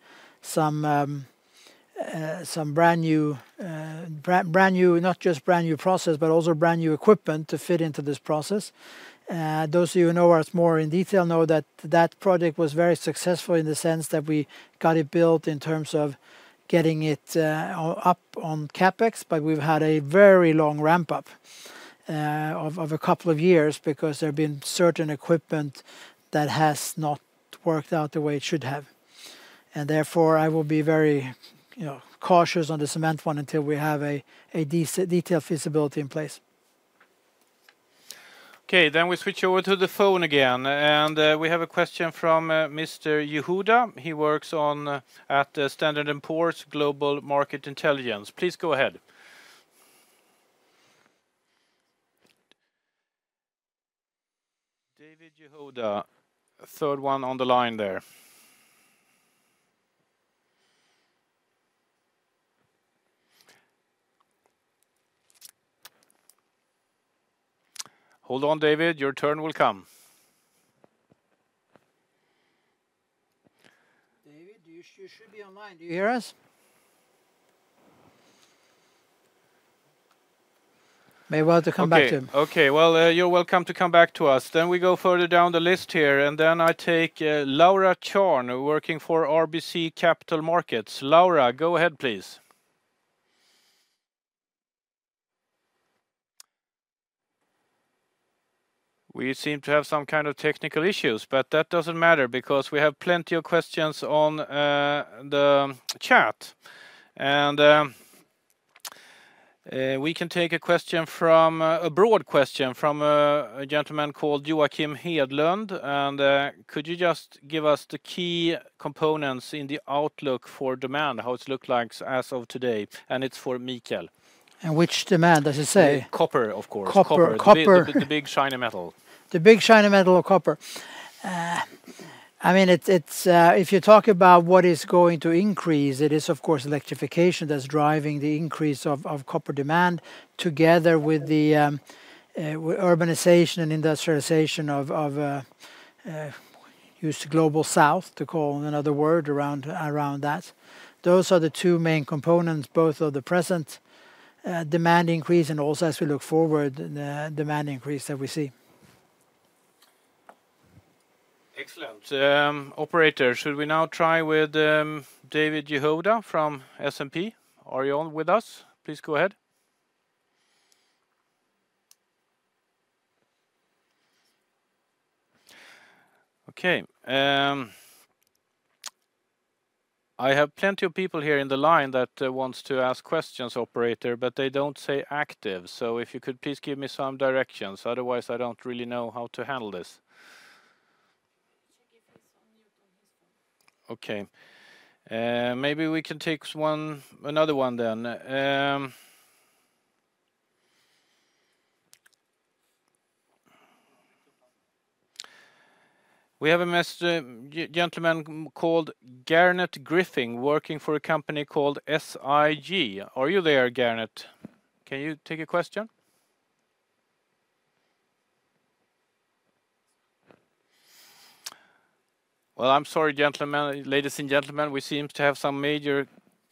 some brand new not just brand new process but also brand new equipment to fit into this process. Those of you who know us more in detail know that that project was very successful in the sense that we got it built in terms of getting it up on CapEx. But we've had a very long ramp-up of a couple of years because there have been certain equipment that has not worked out the way it should have. And therefore, I will be very cautious on the cement one until we have a detailed feasibility in place. Okay. Then we switch over to the phone again. And we have a question from Mr. Yehuda. He works at S&P Global Market Intelligence. Please go ahead. David Yehuda, third one on the line there. Hold on, David. Your turn will come. David, you should be on line. Do you hear us? May I have to come back to him? Okay. Okay. Well, you're welcome to come back to us. Then we go further down the list here. Then I take Laura Chan working for RBC Capital Markets. Laura, go ahead, please. We seem to have some kind of technical issues. But that doesn't matter because we have plenty of questions on the chat. We can take a question from a broad question from a gentleman called Joachim Hedlund. And could you just give us the key components in the outlook for demand, how it looks like as of today? And it's for Mikael. And which demand, as you say? Copper, of course. Copper. The big shiny metal. The big shiny metal of copper. I mean, if you talk about what is going to increase, it is, of course, electrification that's driving the increase of copper demand together with the urbanization and industrialization of the Global South, to call it in another word, around that. Those are the two main components, both of the present demand increase and also, as we look forward, the demand increase that we see. Excellent. Operator, should we now try with David Yehuda from S&P? Are you on with us? Please go ahead. Okay. I have plenty of people here in the line that want to ask questions, operator, but they don't say active. So if you could please give me some directions. Otherwise, I don't really know how to handle this. Should I give his on mute on his phone? Okay. Maybe we can take another one then. We have a gentleman called Garnett Griffin working for a company called SIG. Are you there, Garnet? Can you take a question? Well, I'm sorry, ladies and gentlemen. We seem to have some major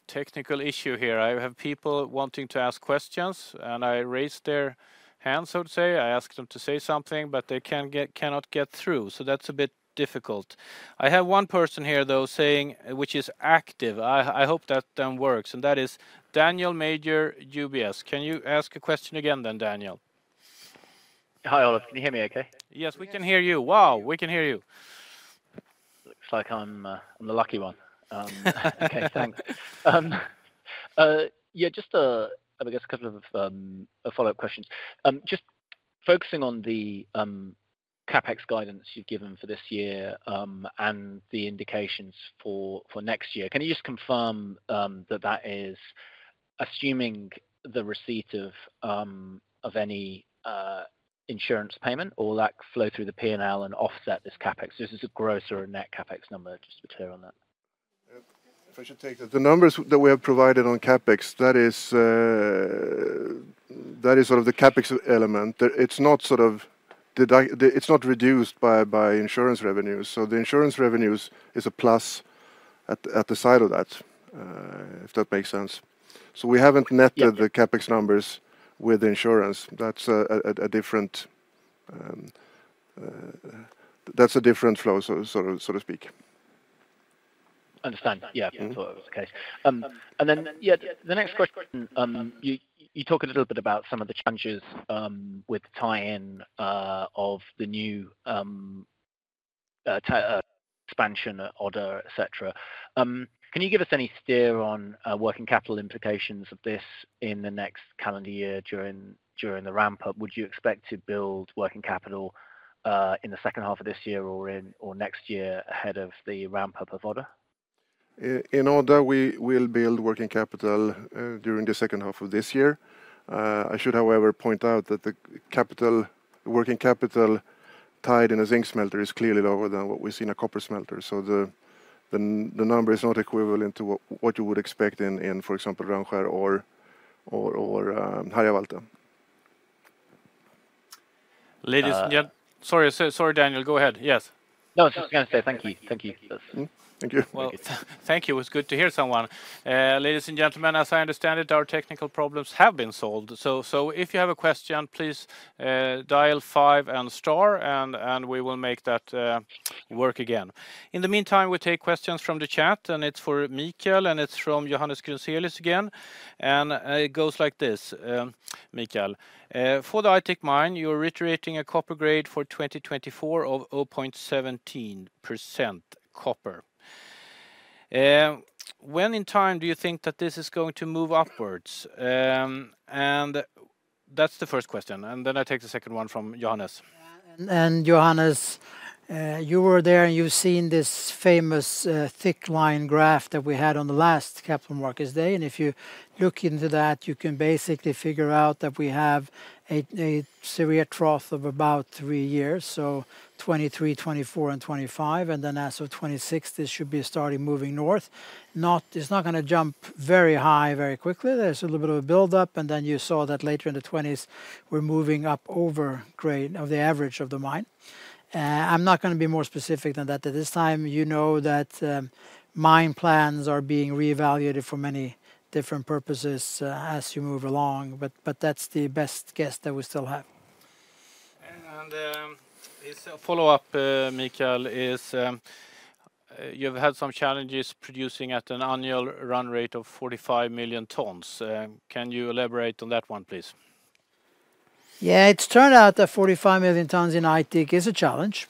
technical issue here. I have people wanting to ask questions. And I raised their hands, so to say. I asked them to say something, but they cannot get through. So that's a bit difficult. I have one person here, though, saying which is active. I hope that then works. And that is Daniel Major from UBS. Can you ask a question again then, Daniel? Hi, Olof. Can you hear me okay? Yes. We can hear you. Wow. We can hear you. Looks like I'm the lucky one. Okay. Thanks. Yeah. Just, I guess, a couple of follow-up questions. Just focusing on the CapEx guidance you've given for this year and the indications for next year, can you just confirm that that is assuming the receipt of any insurance payment, all that flow through the P&L and offset this CapEx? This is a gross or a net CapEx number, just to be clear on that. If I should take the numbers that we have provided on CapEx, that is sort of the CapEx element. It's not sort of it's not reduced by insurance revenues. So the insurance revenues is a plus at the side of that, if that makes sense. So we haven't netted the CapEx numbers with insurance. That's a different flow, so to speak. Understand. Yeah. I thought it was the case. And then, yeah, the next question, you talk a little bit about some of the challenges with the tie-in of the new expansion order, etc. Can you give us any steer on working capital implications of this in the next calendar year during the ramp-up? Would you expect to build working capital in the second half of this year or next year ahead of the ramp-up of order? In order, we will build working capital during the second half of this year. I should, however, point out that the working capital tied in a zinc smelter is clearly lower than what we see in a copper smelter. So the number is not equivalent to what you would expect in, for example, Rönnskär or Harjavalta. Ladies and sorry, Daniel. Go ahead. Yes. No, that's what I was going to say. Thank you. Thank you. Thank you. Thank you. It was good to hear someone. Ladies and gentlemen, as I understand it, our technical problems have been solved. So if you have a question, please dial five and star. And we will make that work again. In the meantime, we take questions from the chat. And it's for Mikael. And it's from Johannes Grunselius again. And it goes like this, Mikael. For the Aitik mine, you're reiterating a copper grade for 2024 of 0.17% copper. When in time do you think that this is going to move upwards? And that's the first question. And then I take the second one from Johannes. And Johannes, you were there. And you've seen this famous thick line graph that we had on the last Capital Markets Day. And if you look into that, you can basically figure out that we have a severe trough of about three years, so 2023, 2024, and 2025. And then as of 2026, this should be starting moving north. It's not going to jump very high very quickly. There's a little bit of a build-up. Then you saw that later in the 2020s, we're moving up above the average grade of the mine. I'm not going to be more specific than that. At this time, you know that mine plans are being reevaluated for many different purposes as you move along. But that's the best guess that we still have. A follow-up, Mikael, is you've had some challenges producing at an annual run rate of 45 million tons. Can you elaborate on that one, please? Yeah. It's turned out that 45 million tons in Aitik is a challenge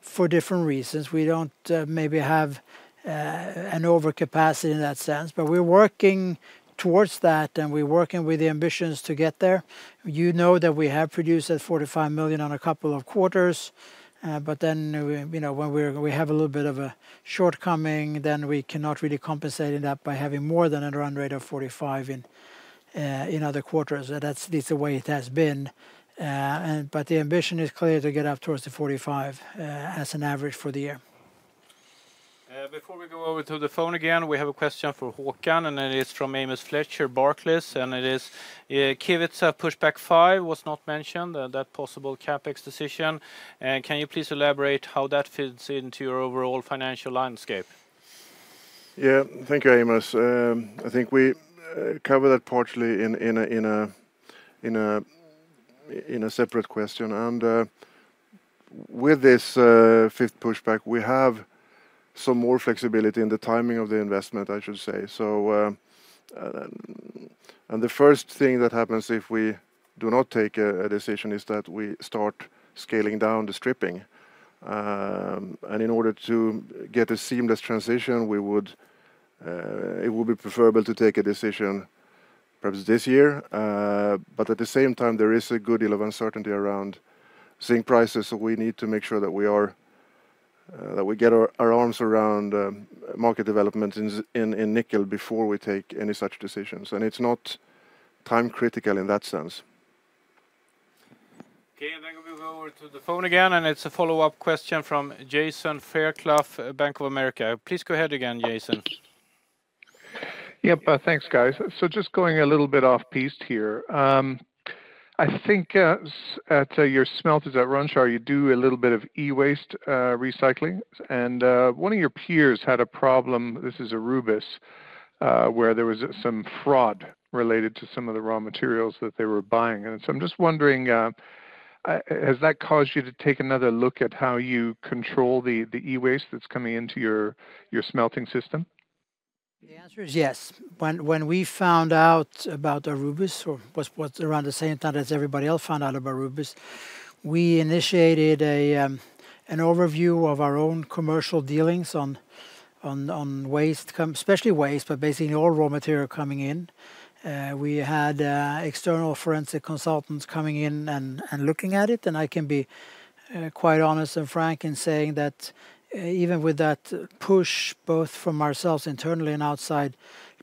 for different reasons. We don't maybe have an overcapacity in that sense. But we're working towards that. And we're working with the ambitions to get there. You know that we have produced at 45 million on a couple of quarters. But then when we have a little bit of a shortcoming, then we cannot really compensate in that by having more than a run rate of 45 in other quarters. At least the way it has been. But the ambition is clear to get up towards the 45 as an average for the year. Before we go over to the phone again, we have a question for Håkan. It is from Amos Fletcher, Barclays. It is, Kevitsa pushback 5 was not mentioned, that possible CapEx decision. Can you please elaborate how that fits into your overall financial landscape? Yeah. Thank you, Amos. I think we covered that partially in a separate question. With this fifth pushback, we have some more flexibility in the timing of the investment, I should say. The first thing that happens if we do not take a decision is that we start scaling down the stripping. In order to get a seamless transition, it would be preferable to take a decision perhaps this year. But at the same time, there is a good deal of uncertainty around zinc prices. We need to make sure that we get our arms around market development in nickel before we take any such decisions. It's not time-critical in that sense. Okay. Then we'll go over to the phone again. It's a follow-up question from Jason Fairclough, Bank of America. Please go ahead again, Jason. Yep. Thanks, guys. So just going a little bit off-piste here. I think at your smelters at Rönnskär, you do a little bit of e-waste recycling. And one of your peers had a problem, this is Aurubis where there was some fraud related to some of the raw materials that they were buying. And so I'm just wondering, has that caused you to take another look at how you control the e-waste that's coming into your smelting system? The answer is yes. When we found out about Aurubis or around the same time as everybody else found out about Aurubis, we initiated an overview of our own commercial dealings on waste, especially waste, but basically all raw material coming in. We had external forensic consultants coming in and looking at it. And I can be quite honest and frank in saying that even with that push, both from ourselves internally and outside,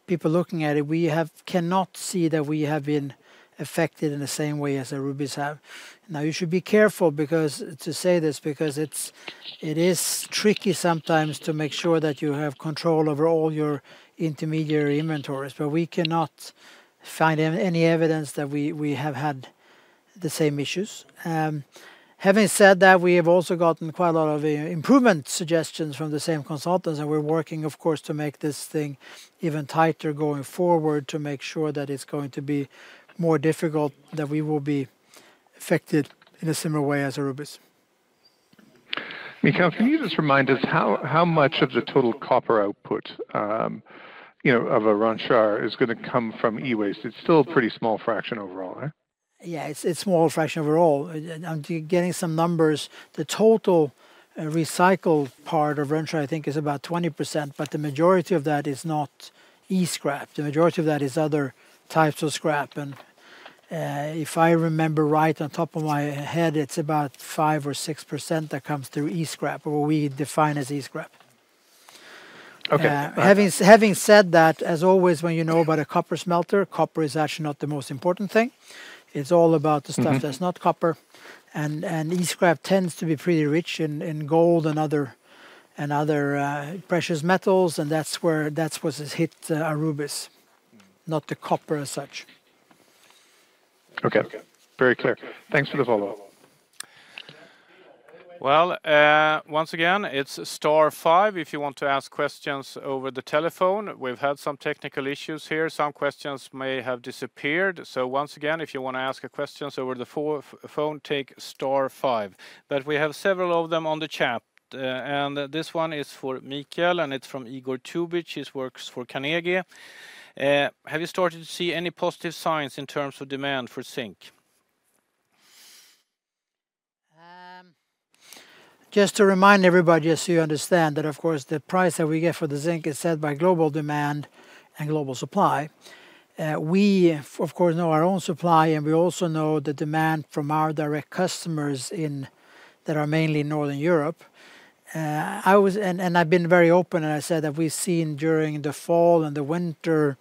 people looking at it, we cannot see that we have been affected in the same way as Aurubis have. Now, you should be careful to say this because it is tricky sometimes to make sure that you have control over all your intermediary inventories. But we cannot find any evidence that we have had the same issues. Having said that, we have also gotten quite a lot of improvement suggestions from the same consultants. And we're working, of course, to make this thing even tighter going forward to make sure that it's going to be more difficult, that we will be affected in a similar way as Aurubis. Mikael, can you just remind us how much of the total copper output of Rönnskär is going to come from e-waste? It's still a pretty small fraction overall, right? Yeah. It's a small fraction overall. I'm getting some numbers. The total recycled part of Rönnskär, I think, is about 20%. But the majority of that is not e-scrap. The majority of that is other types of scrap. If I remember right on top of my head, it's about 5%-6% that comes through e-scrap or what we define as e-scrap. Having said that, as always, when you know about a copper smelter, copper is actually not the most important thing. It's all about the stuff that's not copper. E-scrap tends to be pretty rich in gold and other precious metals. And that's where it hit Aurubis, not the copper as such. Okay. Very clear. Thanks for the follow-up. Well, once again, it's star five if you want to ask questions over the telephone. We've had some technical issues here. Some questions may have disappeared. So once again, if you want to ask questions over the phone, take star five. But we have several of them on the chat. And this one is for Mikael. And it's from Igor Tubic. He works for Carnegie. Have you started to see any positive signs in terms of demand for zinc? Just to remind everybody, as you understand, that, of course, the price that we get for the zinc is set by global demand and global supply. We, of course, know our own supply. And we also know the demand from our direct customers that are mainly in Northern Europe. And I've been very open. And I said that we've seen during the fall and the winter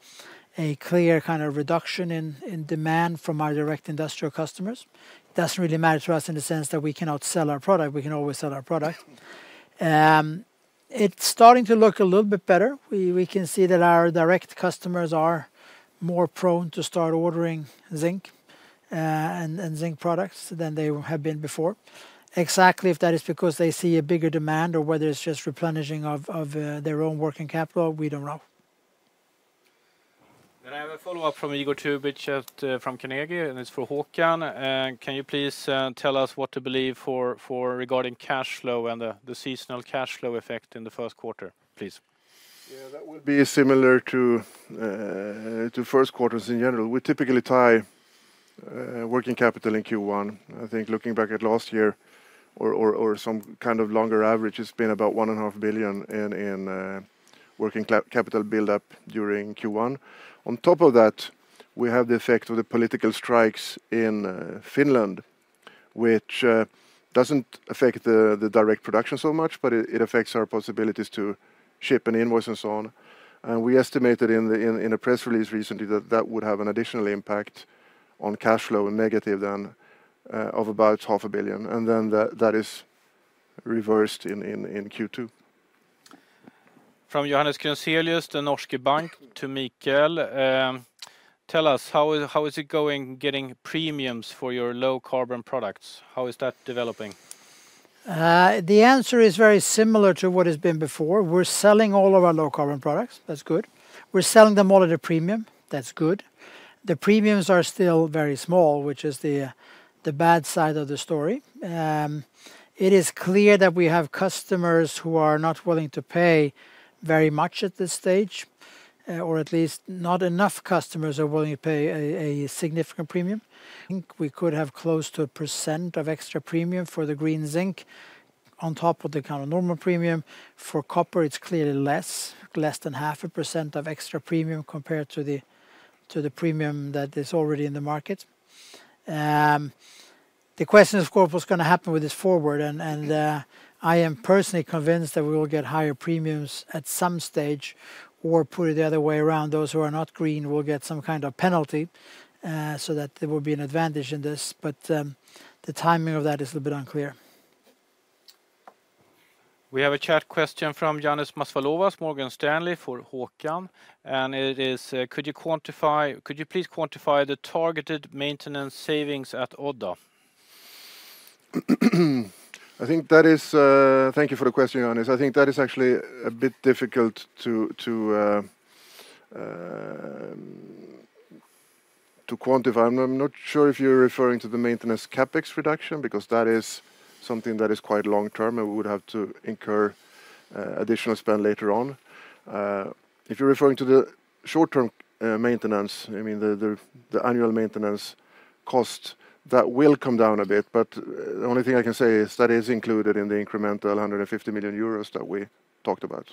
a clear kind of reduction in demand from our direct industrial customers. It doesn't really matter to us in the sense that we cannot sell our product. We can always sell our product. It's starting to look a little bit better. We can see that our direct customers are more prone to start ordering zinc and zinc products than they have been before. Exactly if that is because they see a bigger demand or whether it's just replenishing of their own working capital, we don't know. Then I have a follow-up from Igor Tubic from Carnegie. It's for Håkan. Can you please tell us what to believe regarding cash flow and the seasonal cash flow effect in the first quarter, please? Yeah. That will be similar to first quarters in general. We typically tie working capital in Q1. I think looking back at last year or some kind of longer average, it's been about 1.5 billion in working capital build-up during Q1. On top of that, we have the effect of the political strikes in Finland, which doesn't affect the direct production so much. But it affects our possibilities to ship and invoice and so on. And we estimated in a press release recently that that would have an additional impact on cash flow, negative then, of about 500 million. And then that is reversed in Q2. From Johannes Grunselius, Den norske Bank, to Mikael. Tell us, how is it going getting premiums for your low-carbon products? How is that developing? The answer is very similar to what has been before. We're selling all of our low-carbon products. That's good. We're selling them all at a premium. That's good. The premiums are still very small, which is the bad side of the story. It is clear that we have customers who are not willing to pay very much at this stage, or at least not enough customers are willing to pay a significant premium. We could have close to 1% of extra premium for the green zinc on top of the kind of normal premium. For copper, it's clearly less, less than 0.5% of extra premium compared to the premium that is already in the market. The question, of course, what's going to happen with this forward. And I am personally convinced that we will get higher premiums at some stage. Or put it the other way around, those who are not green will get some kind of penalty so that there will be an advantage in this. But the timing of that is a little bit unclear. We have a chat question from Ioannis Masvoulas, Morgan Stanley, for Håkan. And it is, could you please quantify the targeted maintenance savings at Odda? I think that is thank you for the question, Ioannis. I think that is actually a bit difficult to quantify. I'm not sure if you're referring to the maintenance CapEx reduction because that is something that is quite long-term. We would have to incur additional spend later on. If you're referring to the short-term maintenance, I mean the annual maintenance cost, that will come down a bit. The only thing I can say is that is included in the incremental 150 million euros that we talked about.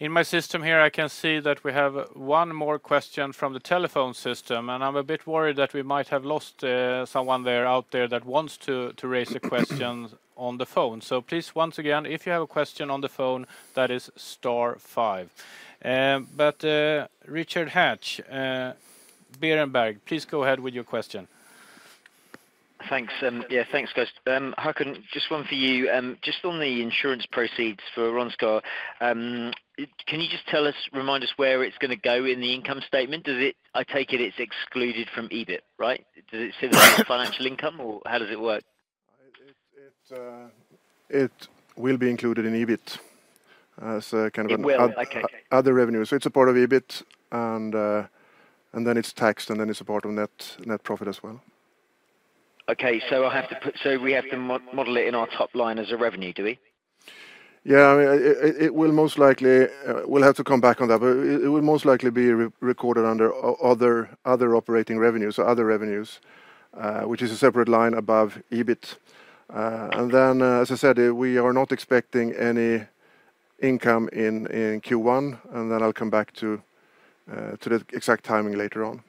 In my system here, I can see that we have one more question from the telephone system. I'm a bit worried that we might have lost someone there out there that wants to raise a question on the phone. Please, once again, if you have a question on the phone, that is star five. But Richard Hatch, Berenberg, please go ahead with your question. Thanks. Yeah. Thanks, guys. Håkan, just one for you. Just on the insurance proceeds for Rönnskär, can you just tell us, remind us where it's going to go in the income statement? I take it it's excluded from EBIT, right? Does it say that it's financial income? Or how does it work? It will be included in EBIT as kind of another revenue. So it's a part of EBIT. And then it's taxed. And then it's a part of net profit as well. Okay. So I'll have to put so we have to model it in our top line as a revenue, do we? Yeah. I mean, it will most likely we'll have to come back on that. But it will most likely be recorded under other operating revenues, so other revenues, which is a separate line above EBIT. And then, as I said, we are not expecting any income in Q1. And then I'll come back to the exact timing later on.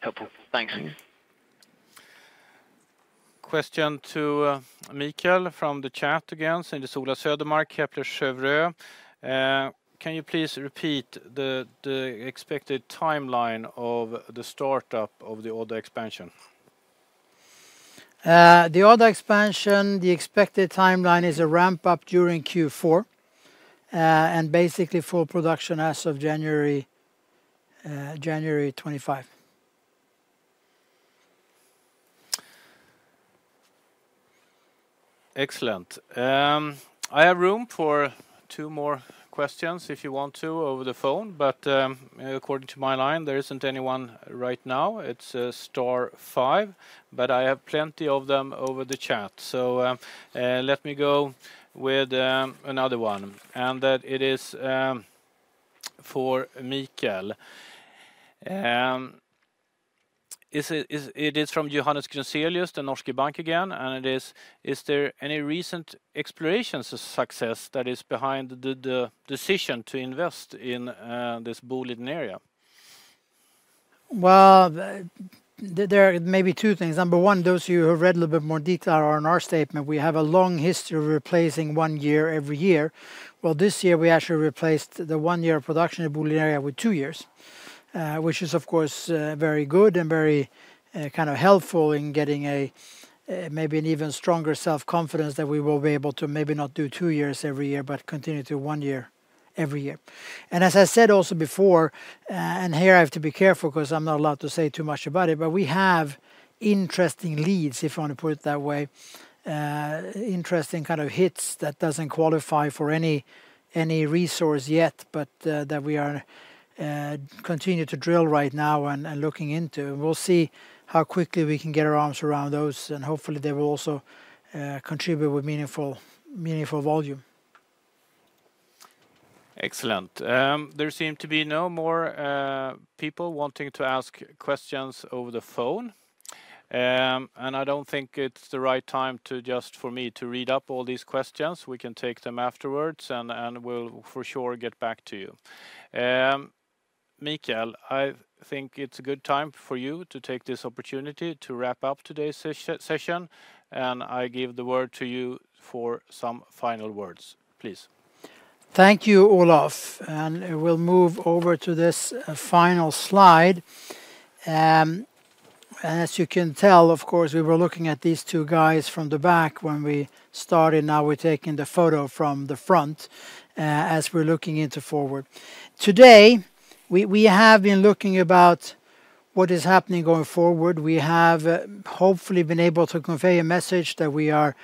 Helpful. Thanks. Question to Mikael from the chat again. So it is Ola Södermark, Kepler Cheuvreux. Can you please repeat the expected timeline of the startup of the Odda expansion? The Odda expansion, the expected timeline is a ramp-up during Q4 and basically full production as of January 25. Excellent. I have room for two more questions if you want to over the phone. But according to my line, there isn't anyone right now. It's star five. But I have plenty of them over the chat. So let me go with another one. And it is for Mikael. It is from Johannes Grunselius, Den norske Bank again. And it is, is there any recent exploration success that is behind the decision to invest in this Boliden Area? Well, there are maybe two things. Number one, those of you who have read a little bit more detail on our statement, we have a long history of replacing one year every year. Well, this year, we actually replaced the one-year production of Boliden Area with two years, which is, of course, very good and very kind of helpful in getting maybe an even stronger self-confidence that we will be able to maybe not do two years every year but continue to one year every year. And as I said also before and here, I have to be careful because I'm not allowed to say too much about it. But we have interesting leads, if I want to put it that way, interesting kind of hits that doesn't qualify for any resource yet but that we continue to drill right now and looking into. And we'll see how quickly we can get our arms around those. And hopefully, they will also contribute with meaningful volume. Excellent. There seem to be no more people wanting to ask questions over the phone. And I don't think it's the right time just for me to read up all these questions. We can take them afterwards. And we'll for sure get back to you. Mikael, I think it's a good time for you to take this opportunity to wrap up today's session. And I give the word to you for some final words. Please. Thank you, Olof. And we'll move over to this final slide. And as you can tell, of course, we were looking at these two guys from the back when we started. Now, we're taking the photo from the front as we're looking into forward. Today, we have been looking about what is happening going forward. We have hopefully been able to convey a message that we are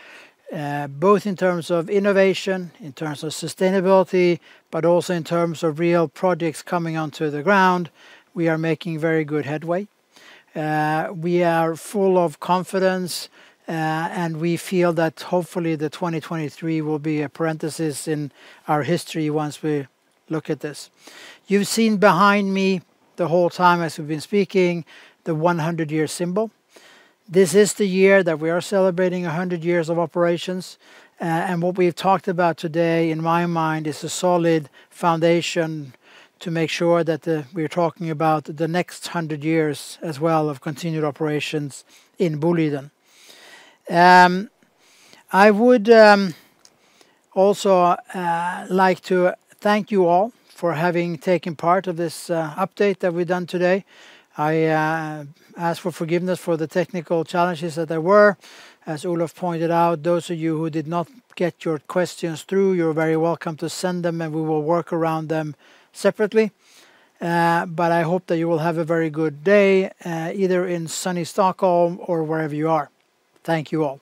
both in terms of innovation, in terms of sustainability, but also in terms of real projects coming onto the ground, we are making very good headway. We are full of confidence. We feel that hopefully, 2023 will be a parenthesis in our history once we look at this. You've seen behind me the whole time as we've been speaking the 100-year symbol. This is the year that we are celebrating 100 years of operations. What we've talked about today, in my mind, is a solid foundation to make sure that we're talking about the next 100 years as well of continued operations in Boliden. I would also like to thank you all for having taken part of this update that we've done today. I ask for forgiveness for the technical challenges that there were. As Olof pointed out, those of you who did not get your questions through, you're very welcome to send them. We will work around them separately. I hope that you will have a very good day either in sunny Stockholm or wherever you are. Thank you all.